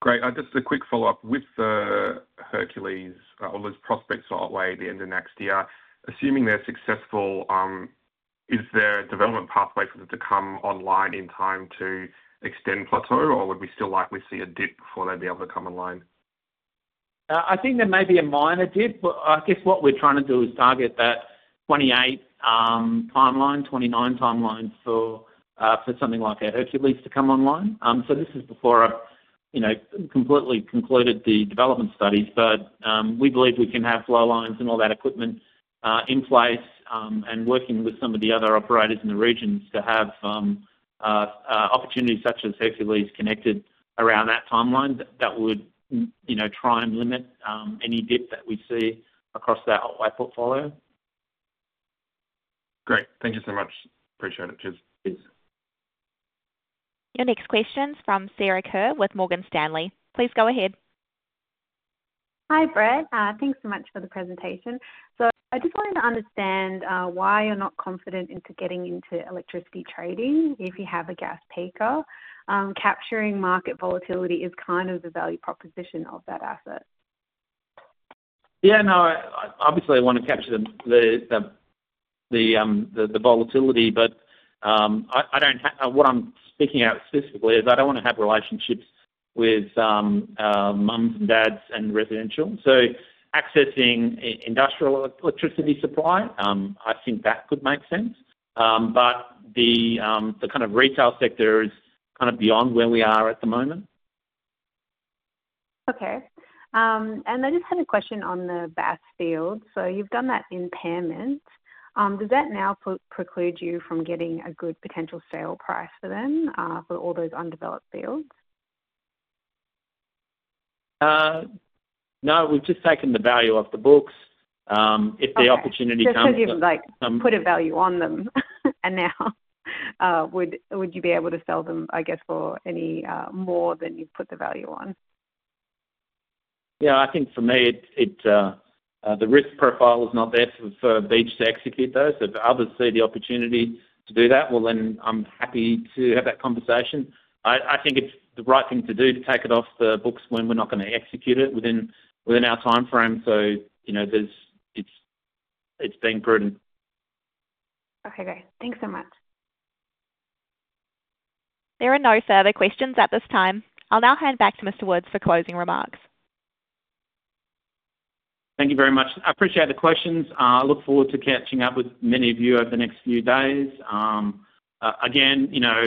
Great. Just a quick follow-up. With the Hercules, or those prospects are way at the end of next year, assuming they're successful, is there a development pathway for them to come online in time to extend plateau? Or would we still likely see a dip before they'd be able to come online? I think there may be a minor dip, but I guess what we're trying to do is target that 28 timeline, 29 timeline for something like a Hercules to come online. So this is before a, you know, completely concluded the development studies. But we believe we can have flow lines and all that equipment in place, and working with some of the other operators in the regions to have opportunities such as Hercules connected around that timeline. That would, you know, try and limit any dip that we see across our wide portfolio. Great. Thank you so much. Appreciate it. Cheers. Peace. Your next question is from Sarah Kerr with Morgan Stanley. Please go ahead. Hi, Brett. Thanks so much for the presentation. I just wanted to understand why you're not confident into getting into electricity trading if you have a gas peaker. Capturing market volatility is kind of the value proposition of that asset. Yeah, no, I obviously wanna capture the volatility, but I don't have. What I'm speaking out specifically is I don't wanna have relationships with moms and dads and residential. So accessing industrial electricity supply, I think that could make sense. But the kind of retail sector is kind of beyond where we are at the moment. Okay. And I just had a question on the Bass Basin. So you've done that impairment. Does that now preclude you from getting a good potential sale price for them for all those undeveloped fields? No, we've just taken the value off the books. If the opportunity comes- Okay. Just 'cause you've, like, put a value on them, and now, would you be able to sell them, I guess, for any more than you've put the value on? Yeah, I think for me, the risk profile is not there for Beach to execute those. So if others see the opportunity to do that, well, then I'm happy to have that conversation. I think it's the right thing to do to take it off the books when we're not gonna execute it within our timeframe. So, you know, it's been prudent. Okay, great. Thanks so much. There are no further questions at this time. I'll now hand back to Mr. Woods for closing remarks. Thank you very much. I appreciate the questions. I look forward to catching up with many of you over the next few days. Again, you know,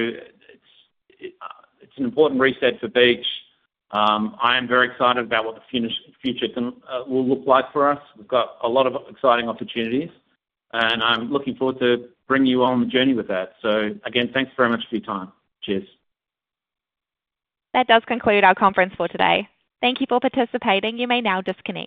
it's an important reset for Beach. I am very excited about what the future will look like for us. We've got a lot of exciting opportunities, and I'm looking forward to bringing you on the journey with that. So again, thanks very much for your time. Cheers. That does conclude our conference for today. Thank you for participating. You may now disconnect.